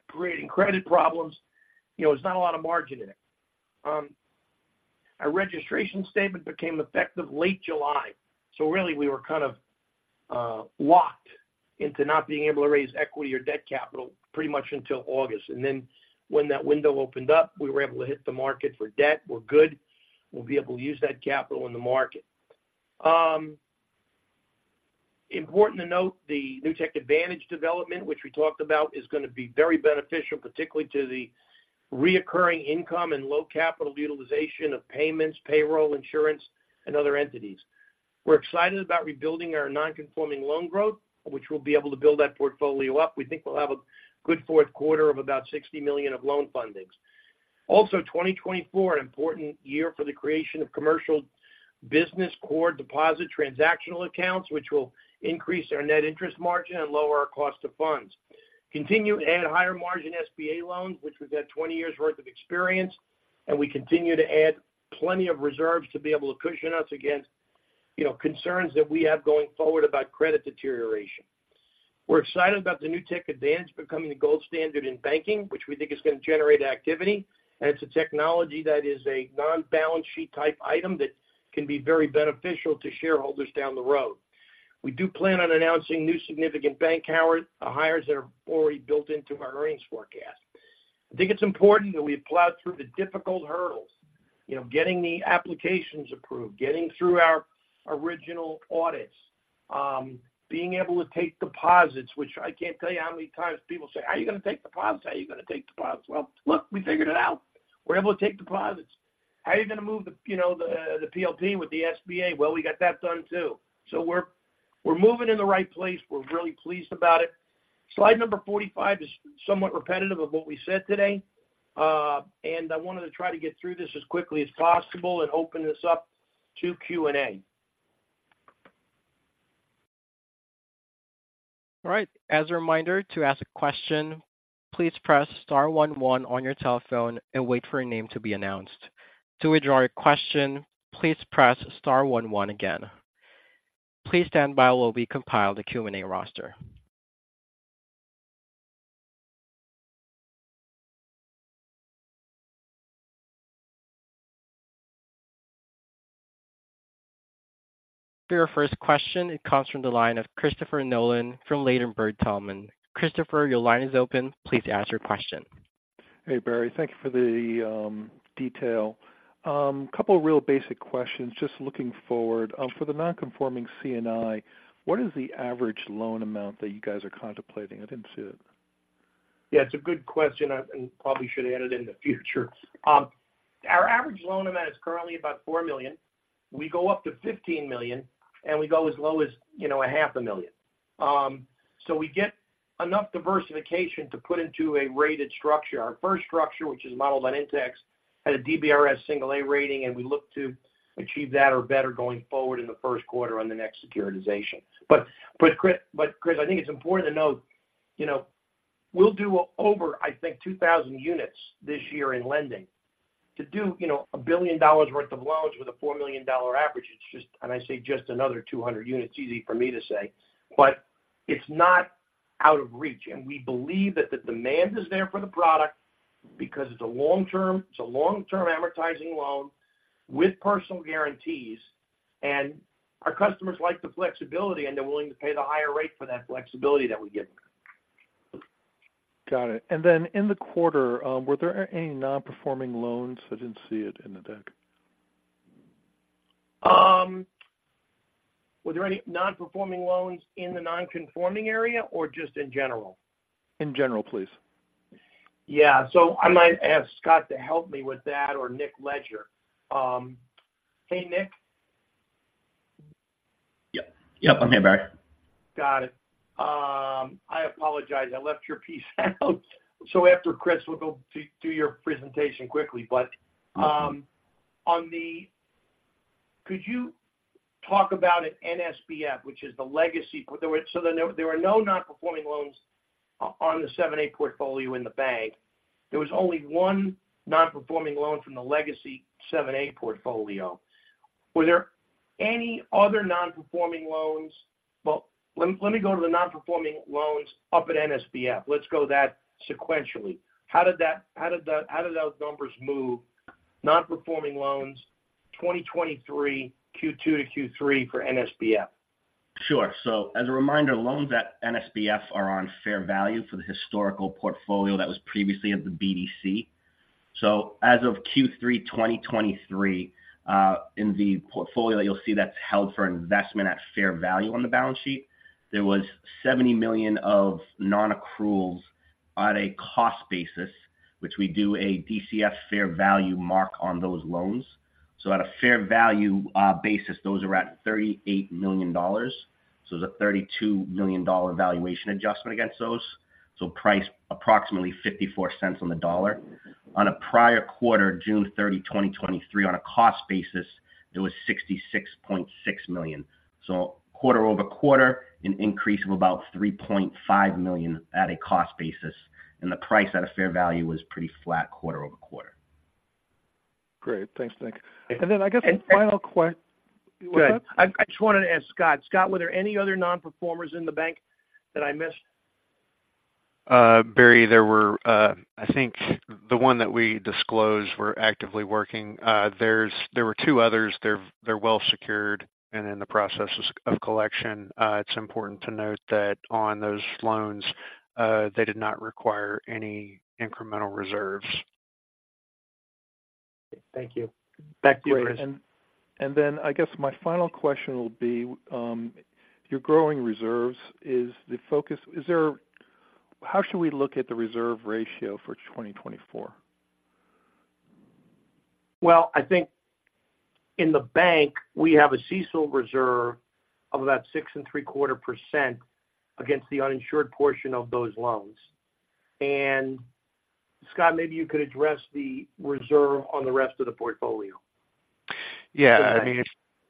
[SPEAKER 2] creating credit problems, you know, there's not a lot of margin in it. Our registration statement became effective late July, so really, we were kind of locked into not being able to raise equity or debt capital pretty much until August. Then when that window opened up, we were able to hit the market for debt. We're good. We'll be able to use that capital in the market. Important to note, the Newtek Advantage development, which we talked about, is gonna be very beneficial, particularly to the recurring income and low capital utilization of payments, payroll, insurance, and other entities. We're excited about rebuilding our non-conforming loan growth, which we'll be able to build that portfolio up. We think we'll have a good fourth quarter of about $60 million of loan fundings. Also, 2024, an important year for the creation of commercial business core deposit transactional accounts, which will increase our net interest margin and lower our cost of funds. Continue to add higher margin SBA loans, which we've had 20 years worth of experience, and we continue to add plenty of reserves to be able to cushion us against, you know, concerns that we have going forward about credit deterioration. We're excited about the Newtek Advantage becoming the gold standard in banking, which we think is gonna generate activity, and it's a technology that is a non-balance sheet type item that can be very beneficial to shareholders down the road. We do plan on announcing new significant bank hires, hires that are already built into our earnings forecast. I think it's important that we've plowed through the difficult hurdles, you know, getting the applications approved, getting through our original audits. Being able to take deposits, which I can't tell you how many times people say, "How are you going to take deposits? How are you going to take deposits?" Well, look, we figured it out. We're able to take deposits. How are you going to move the, you know, the, the PLP with the SBA? Well, we got that done, too. So we're, we're moving in the right place. We're really pleased about it. Slide number 45 is somewhat repetitive of what we said today. And I wanted to try to get through this as quickly as possible and open this up to Q&A.
[SPEAKER 1] All right. As a reminder, to ask a question, please press star one one on your telephone and wait for your name to be announced. To withdraw your question, please press star one one again. Please stand by while we compile the Q&A roster. For your first question, it comes from the line of Christopher Nolan from Ladenburg Thalmann. Christopher, your line is open. Please ask your question.
[SPEAKER 4] Hey, Barry. Thank you for the detail. Couple of real basic questions, just looking forward. For the non-conforming C&I, what is the average loan amount that you guys are contemplating? I didn't see it.
[SPEAKER 2] Yeah, it's a good question. I, and probably should add it in the future. Our average loan amount is currently about $4 million. We go up to $15 million, and we go as low as, you know, $500,000. So we get enough diversification to put into a rated structure. Our first structure, which is modeled on Intex, had a DBRS single A rating, and we look to achieve that or better going forward in the first quarter on the next securitization. But, Chris, I think it's important to note, you know, we'll do over, I think, 2,000 units this year in lending. To do, you know, $1 billion worth of loans with a $4 million average, it's just... And I say just another 200 units, easy for me to say, but it's not out of reach. We believe that the demand is there for the product because it's a long term. It's a long-term advertising loan with personal guarantees, and our customers like the flexibility, and they're willing to pay the higher rate for that flexibility that we give them.
[SPEAKER 4] Got it. In the quarter, were there any nonperforming loans? I didn't see it in the deck.
[SPEAKER 2] Were there any nonperforming loans in the non-conforming area or just in general?
[SPEAKER 4] In general, please.
[SPEAKER 2] Yeah. So I might ask Scott to help me with that or Nick Leger. Hey, Nick?
[SPEAKER 5] Yep. Yep, I'm here, Barry.
[SPEAKER 2] Got it. I apologize. I left your piece out. So after Chris, we'll go through your presentation quickly.
[SPEAKER 5] Mm-hmm.
[SPEAKER 2] But, on the... Could you talk about an NSBF, which is the legacy? So there were no nonperforming loans on the 7(a) portfolio in the bank. There was only one nonperforming loan from the legacy 7(a) portfolio. Were there any other nonperforming loans? Well, let me go to the nonperforming loans up at NSBF. Let's go that sequentially. How did those numbers move? Nonperforming loans, 2023, Q2 to Q3 for NSBF.
[SPEAKER 5] Sure. So as a reminder, loans at NSBF are on fair value for the historical portfolio that was previously at the BDC. So as of Q3 2023, in the portfolio, you'll see that's held for investment at fair value on the balance sheet, there was $70 million of nonaccruals on a cost basis, which we do a DCF fair value mark on those loans. So at a fair value basis, those are at $38 million. So it's a $32 million valuation adjustment against those. So priced approximately $0.54 on the dollar. On a prior quarter, June 30, 2023, on a cost basis, it was $66.6 million. So quarter over quarter, an increase of about $3.5 million at a cost basis, and the price at a fair value was pretty flat quarter over quarter.
[SPEAKER 4] Great. Thanks, Nick. And then I guess the final que-
[SPEAKER 2] Go ahead. I, I just wanted to ask Scott. Scott, were there any other nonperformers in the bank that I missed?
[SPEAKER 3] Barry, there were, I think, the one that we disclosed. We're actively working. There were two others. They're well secured and in the process of collection. It's important to note that on those loans, they did not require any incremental reserves.
[SPEAKER 2] Thank you. Back to you, Chris.
[SPEAKER 4] I guess my final question will be, you're growing reserves. How should we look at the reserve ratio for 2024?
[SPEAKER 2] Well, I think in the bank, we have a CECL reserve of about 6.75% against the uninsured portion of those loans. And Scott, maybe you could address the reserve on the rest of the portfolio.
[SPEAKER 3] Yeah. I mean,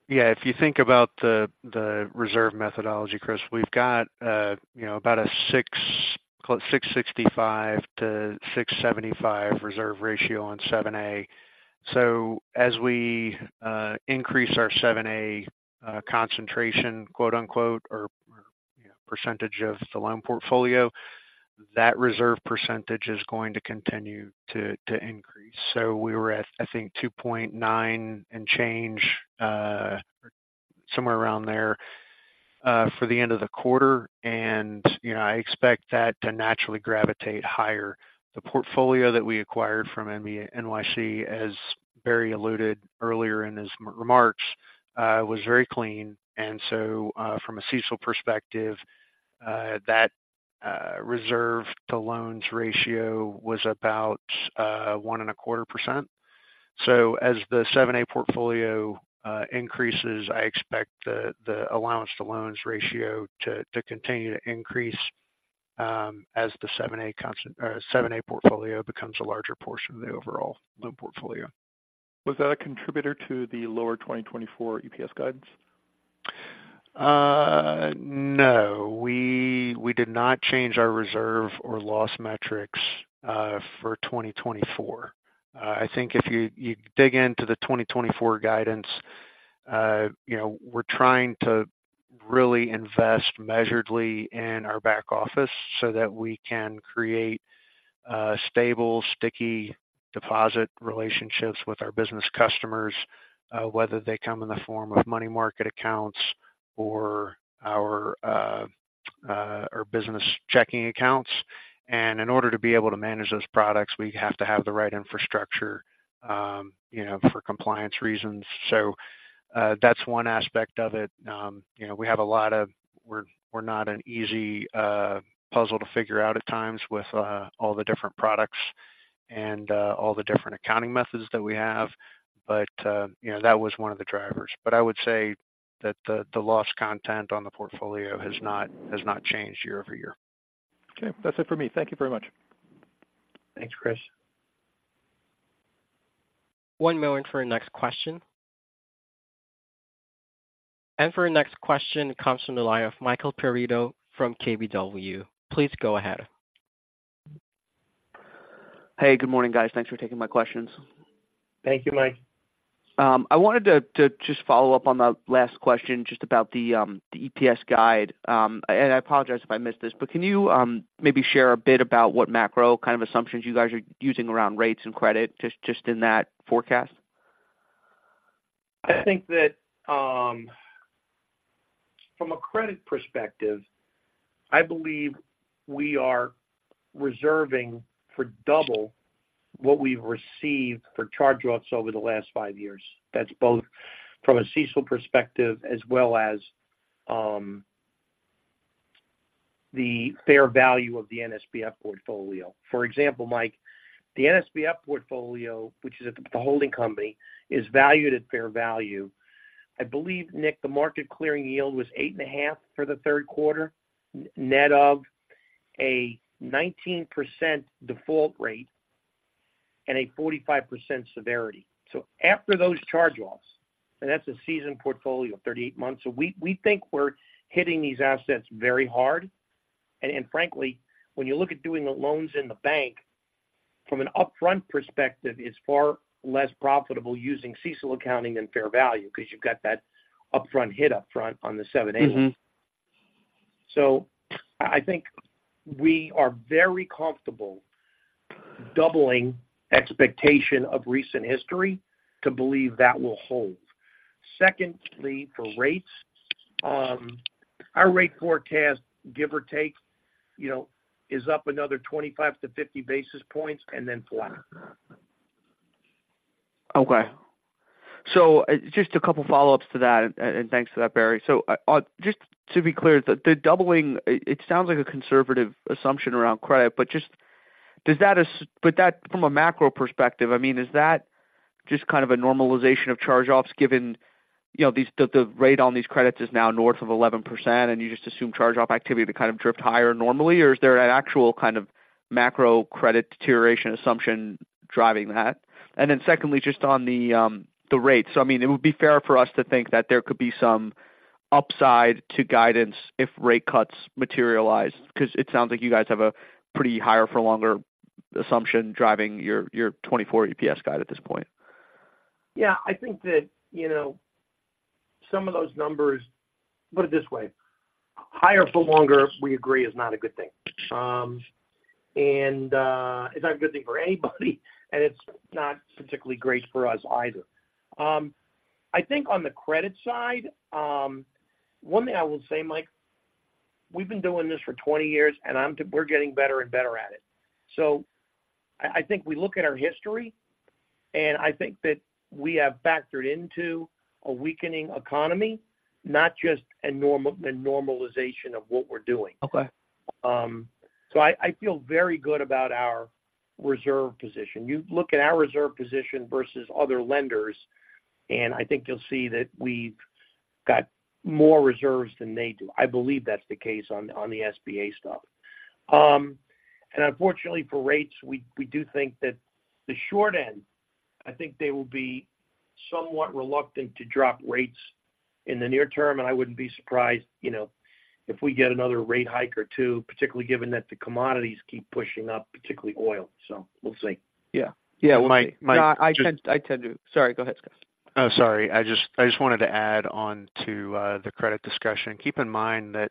[SPEAKER 3] yeah, if you think about the reserve methodology, Chris, we've got, you know, about a 6, close to 6.65-6.75 reserve ratio on 7(a). So as we increase our 7(a) "concentration," quote-unquote, or, you know, percentage of the loan portfolio, that reserve percentage is going to continue to increase. So we were at, I think, 2.9 and change, somewhere around there, for the end of the quarter, and, you know, I expect that to naturally gravitate higher. The portfolio that we acquired from NBNYC, as Barry alluded earlier in his remarks, was very clean, and so, from a CECL perspective, that reserve-to-loans ratio was about 1.25%. So as the 7(a) portfolio increases, I expect the allowance to loans ratio to continue to increase as the 7(a) constant-- or 7(a) portfolio becomes a larger portion of the overall loan portfolio.
[SPEAKER 4] Was that a contributor to the lower 2024 EPS guidance?
[SPEAKER 3] No. We, we did not change our reserve or loss metrics for 2024. I think if you, you dig into the 2024 guidance, you know, we're trying to really invest measuredly in our back office so that we can create stable, sticky deposit relationships with our business customers whether they come in the form of money market accounts or our our business checking accounts. And in order to be able to manage those products, we have to have the right infrastructure, you know, for compliance reasons. So, that's one aspect of it. You know, we have a lot of-- we're, we're not an easy puzzle to figure out at times with all the different products and all the different accounting methods that we have. But, you know, that was one of the drivers. But I would say that the loss content on the portfolio has not changed year-over-year.
[SPEAKER 4] Okay. That's it for me. Thank you very much.
[SPEAKER 1] Thanks, Chris. One moment for your next question. For your next question comes from the line of Michael Perito from KBW. Please go ahead.
[SPEAKER 6] Hey, good morning, guys. Thanks for taking my questions.
[SPEAKER 2] Thank you, Mike.
[SPEAKER 6] I wanted to just follow up on the last question, just about the EPS guide. And I apologize if I missed this, but can you maybe share a bit about what macro kind of assumptions you guys are using around rates and credit, just in that forecast?
[SPEAKER 2] I think that, from a credit perspective, I believe we are reserving for double what we've received for charge-offs over the last 5 years. That's both from a CECL perspective as well as, the fair value of the NSBF portfolio. For example, Mike, the NSBF portfolio, which is at the holding company, is valued at fair value. I believe, Nick, the market clearing yield was 8.5 for the third quarter, net of a 19% default rate and a 45% severity. So after those charge-offs, and that's a seasoned portfolio, 38 months, so we think we're hitting these assets very hard. And frankly, when you look at doing the loans in the bank, from an upfront perspective, it's far less profitable using CECL accounting than fair value, because you've got that upfront hit upfront on the 7-8.
[SPEAKER 6] Mm-hmm.
[SPEAKER 2] So I think we are very comfortable doubling expectation of recent history to believe that will hold. Secondly, for rates, our rate forecast, give or take, you know, is up another 25-50 basis points and then flatter.
[SPEAKER 6] Okay. So just a couple follow-ups to that, and thanks for that, Barry. So just to be clear, the doubling, it sounds like a conservative assumption around credit, but does that from a macro perspective, I mean, is that just kind of a normalization of charge-offs, given, you know, the rate on these credits is now north of 11%, and you just assume charge-off activity to kind of drift higher normally? Or is there an actual kind of macro credit deterioration assumption driving that? And then secondly, just on the rates. So I mean, it would be fair for us to think that there could be some upside to guidance if rate cuts materialize, because it sounds like you guys have a pretty higher for longer assumption driving your 2024 EPS guide at this point.
[SPEAKER 2] Yeah, I think that, you know, some of those numbers... Put it this way: higher for longer, we agree, is not a good thing. And it's not a good thing for anybody, and it's not particularly great for us either. I think on the credit side, one thing I will say, Mike, we've been doing this for 20 years, and we're getting better and better at it. So I think we look at our history, and I think that we have factored into a weakening economy, not just a normalization of what we're doing.
[SPEAKER 6] Okay.
[SPEAKER 2] So I feel very good about our reserve position. You look at our reserve position versus other lenders, and I think you'll see that we've got more reserves than they do. I believe that's the case on the SBA stuff. And unfortunately, for rates, we do think that the short end, I think they will be somewhat reluctant to drop rates in the near term, and I wouldn't be surprised, you know, if we get another rate hike or two, particularly given that the commodities keep pushing up, particularly oil. So we'll see.
[SPEAKER 6] Yeah. Yeah, Mike-
[SPEAKER 3] Mike-
[SPEAKER 6] Sorry, go ahead, Scott.
[SPEAKER 3] Oh, sorry. I just, I just wanted to add on to the credit discussion. Keep in mind that,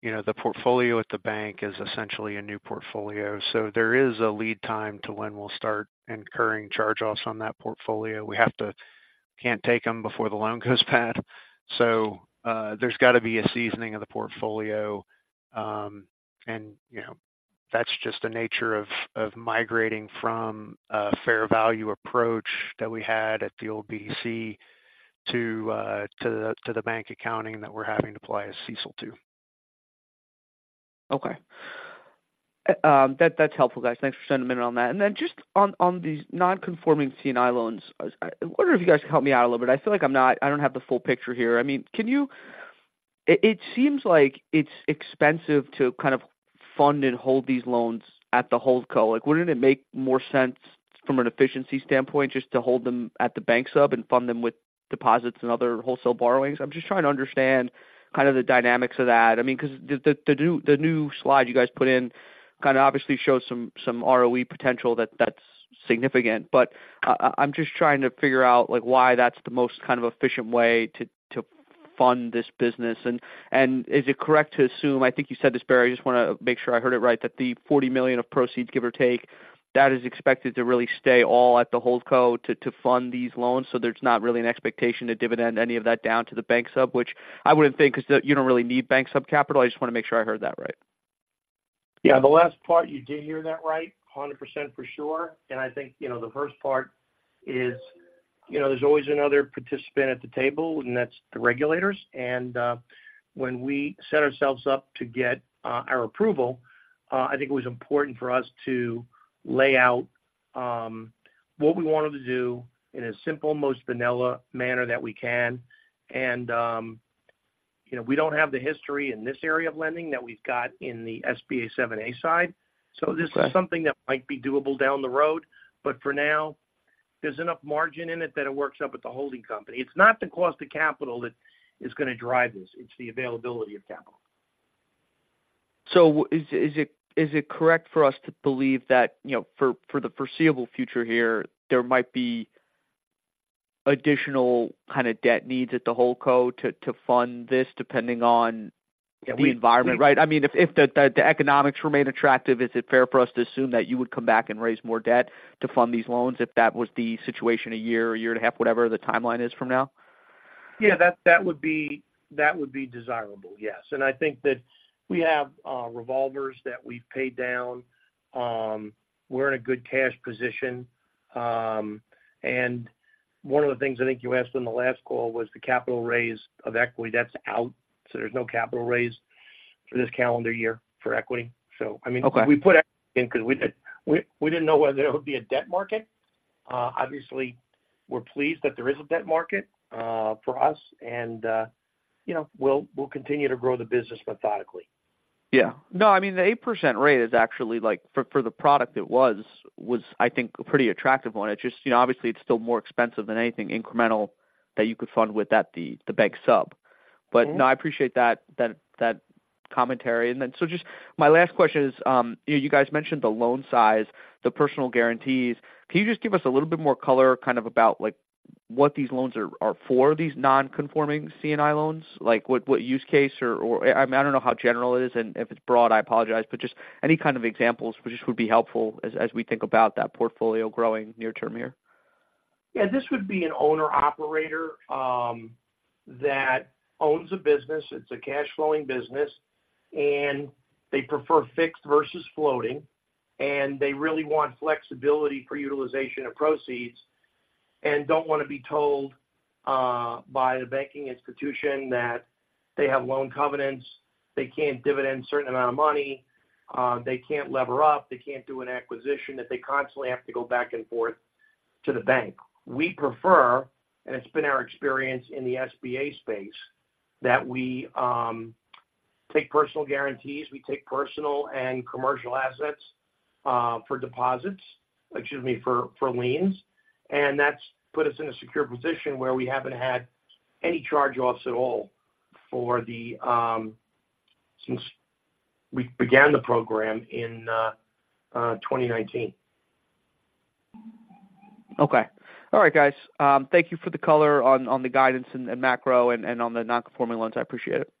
[SPEAKER 3] you know, the portfolio at the bank is essentially a new portfolio, so there is a lead time to when we'll start incurring charge-offs on that portfolio. We have to-- can't take them before the loan goes bad. So, there's got to be a seasoning of the portfolio, and, you know, we- ...That's just the nature of migrating from a fair value approach that we had at the old BDC to the bank accounting that we're having to apply a CECL to.
[SPEAKER 6] Okay. That, that's helpful, guys. Thanks for sending me in on that. And then just on these non-conforming C&I loans, I wonder if you guys can help me out a little bit. I feel like I don't have the full picture here. I mean, can you... It seems like it's expensive to kind of fund and hold these loans at the hold co. Like, wouldn't it make more sense from an efficiency standpoint, just to hold them at the bank sub and fund them with deposits and other wholesale borrowings? I'm just trying to understand kind of the dynamics of that. I mean, 'cause the new slide you guys put in kind of obviously shows some ROE potential that's significant. But I'm just trying to figure out, like, why that's the most kind of efficient way to fund this business. And is it correct to assume, I think you said this, Barry, I just wanna make sure I heard it right, that the $40 million of proceeds, give or take, that is expected to really stay all at the hold co to fund these loans, so there's not really an expectation to dividend any of that down to the bank sub? Which I wouldn't think, 'cause you don't really need bank sub capital. I just wanna make sure I heard that right.
[SPEAKER 2] Yeah, the last part, you did hear that right, 100% for sure. And I think, you know, the first part is, you know, there's always another participant at the table, and that's the regulators. And, when we set ourselves up to get, our approval, I think it was important for us to lay out, what we wanted to do in a simple, most vanilla manner that we can. And, you know, we don't have the history in this area of lending that we've got in the SBA 7(a) side.
[SPEAKER 6] Right.
[SPEAKER 2] This is something that might be doable down the road, but for now, there's enough margin in it that it works out with the holding company. It's not the cost of capital that is gonna drive this, it's the availability of capital.
[SPEAKER 6] So, is it correct for us to believe that, you know, for the foreseeable future here, there might be additional kind of debt needs at the hold co to fund this, depending on-
[SPEAKER 2] Yeah, we-
[SPEAKER 6] the environment, right? I mean, if the economics remain attractive, is it fair for us to assume that you would come back and raise more debt to fund these loans, if that was the situation a year or a year and a half, whatever the timeline is from now?
[SPEAKER 2] Yeah, that, that would be... That would be desirable, yes. And I think that we have revolvers that we've paid down. We're in a good cash position. And one of the things I think you asked on the last call was the capital raise of equity. That's out, so there's no capital raise for this calendar year for equity. So I mean-
[SPEAKER 6] Okay.
[SPEAKER 2] We put everything in 'cause we didn't know whether there would be a debt market. Obviously, we're pleased that there is a debt market for us, and you know, we'll continue to grow the business methodically.
[SPEAKER 6] Yeah. No, I mean, the 8% rate is actually like, for the product it was, I think, a pretty attractive one. It's just, you know, obviously, it's still more expensive than anything incremental that you could fund with at the bank sub.
[SPEAKER 2] Mm-hmm.
[SPEAKER 6] But no, I appreciate that commentary. And then, so just my last question is, you know, you guys mentioned the loan size, the personal guarantees. Can you just give us a little bit more color, kind of about, like, what these loans are for, these non-conforming C&I loans? Like, what use case or I don't know how general it is, and if it's broad, I apologize, but just any kind of examples just would be helpful as we think about that portfolio growing near term here.
[SPEAKER 2] Yeah, this would be an owner-operator that owns a business. It's a cash flowing business, and they prefer fixed versus floating, and they really want flexibility for utilization of proceeds and don't wanna be told by the banking institution that they have loan covenants, they can't dividend certain amount of money, they can't lever up, they can't do an acquisition, that they constantly have to go back and forth to the bank. We prefer, and it's been our experience in the SBA space, that we take personal guarantees. We take personal and commercial assets for deposits—excuse me, for liens, and that's put us in a secure position where we haven't had any charge-offs at all for the since we began the program in 2019.
[SPEAKER 6] Okay. All right, guys, thank you for the color on the guidance and macro and on the non-conforming loans. I appreciate it.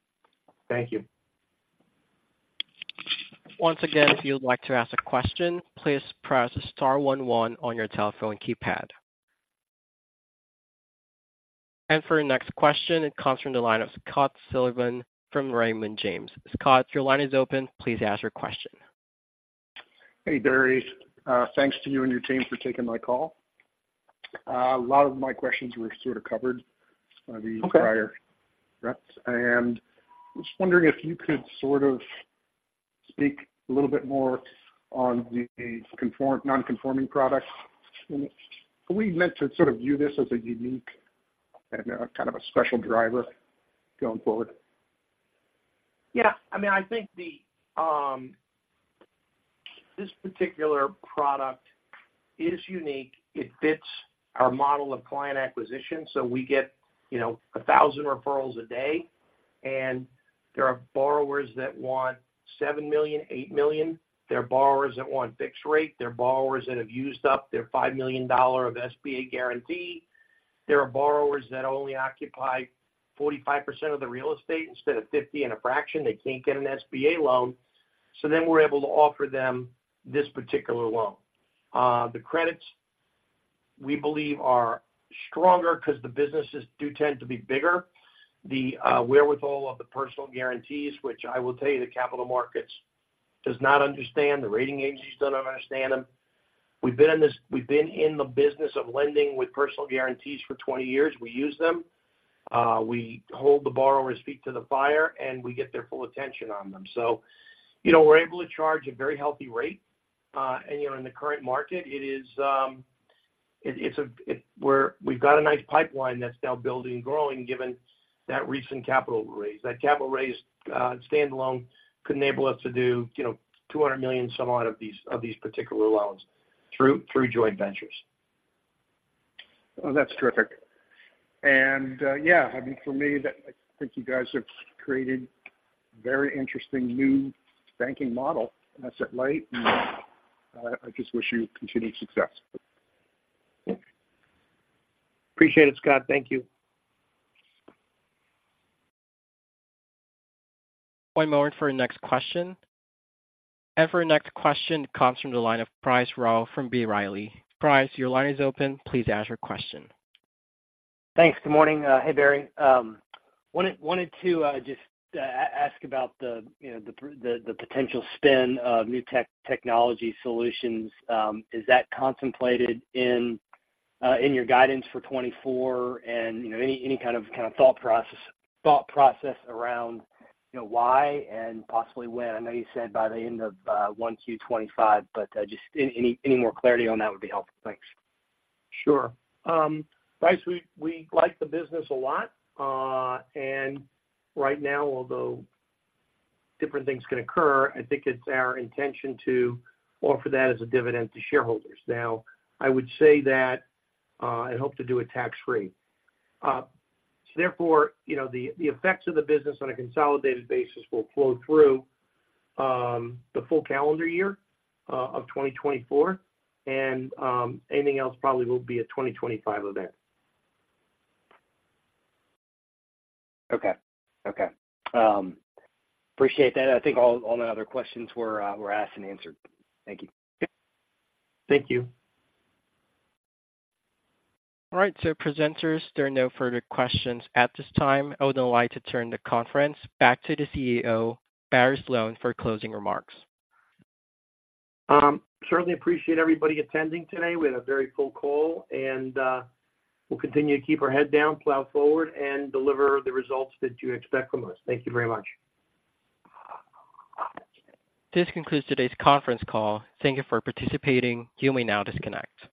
[SPEAKER 2] Thank you.
[SPEAKER 1] Once again, if you'd like to ask a question, please press star one one on your telephone keypad. For our next question, it comes from the line of Scott Silverman from Raymond James. Scott, your line is open. Please ask your question.
[SPEAKER 7] Hey, Barry. Thanks to you and your team for taking my call. A lot of my questions were sort of covered-
[SPEAKER 2] Okay.
[SPEAKER 7] by the prior reps. I was wondering if you could sort of speak a little bit more on the non-conforming products. Are we meant to sort of view this as a unique and kind of a special driver going forward?
[SPEAKER 2] Yeah. I mean, I think the. This particular product is unique. It fits our model of client acquisition, so we get, you know, 1,000 referrals a day, and there are borrowers that want $7 million, $8 million. There are borrowers that want fixed rate. There are borrowers that have used up their $5 million of SBA guarantee. There are borrowers that only occupy 45% of the real estate instead of 50% and a fraction, they can't get an SBA loan. So then we're able to offer them this particular loan. The credits we believe are stronger because the businesses do tend to be bigger. The wherewithal of the personal guarantees, which I will tell you, the capital markets does not understand, the rating agencies don't understand them. We've been in the business of lending with personal guarantees for 20 years. We use them. We hold the borrower's feet to the fire, and we get their full attention on them. So, you know, we're able to charge a very healthy rate, and, you know, in the current market, it is. It, it's. We're. We've got a nice pipeline that's now building and growing given that recent capital raise. That capital raise, standalone could enable us to do, you know, $200 million somewhat of these particular loans through joint ventures.
[SPEAKER 7] Well, that's terrific. And, yeah, I mean, for me, that I think you guys have created a very interesting new banking model, and that's alright, and I just wish you continued success.
[SPEAKER 2] Appreciate it, Scott. Thank you.
[SPEAKER 1] One moment for your next question. For your next question comes from the line of Bryce Rowe from B. Riley. Price, your line is open. Please ask your question.
[SPEAKER 8] Thanks. Good morning. Hey, Barry. Wanted to just ask about the, you know, the potential spin of Newtek Technology Solutions. Is that contemplated in your guidance for 2024? And, you know, any kind of thought process around, you know, why and possibly when? I know you said by the end of Q1 2025, but just any more clarity on that would be helpful. Thanks.
[SPEAKER 2] Sure. Price, we, we like the business a lot. And right now, although different things can occur, I think it's our intention to offer that as a dividend to shareholders. Now, I would say that, I hope to do it tax-free. So therefore, you know, the, the effects of the business on a consolidated basis will flow through, the full calendar year of 2024, and, anything else probably will be a 2025 event.
[SPEAKER 8] Okay. Okay. Appreciate that. I think all my other questions were asked and answered. Thank you.
[SPEAKER 2] Thank you.
[SPEAKER 1] All right, so presenters, there are no further questions at this time. I would now like to turn the conference back to the CEO, Barry Sloane, for closing remarks.
[SPEAKER 2] Certainly appreciate everybody attending today. We had a very full call, and we'll continue to keep our head down, plow forward, and deliver the results that you expect from us. Thank you very much.
[SPEAKER 1] This concludes today's conference call. Thank you for participating. You may now disconnect.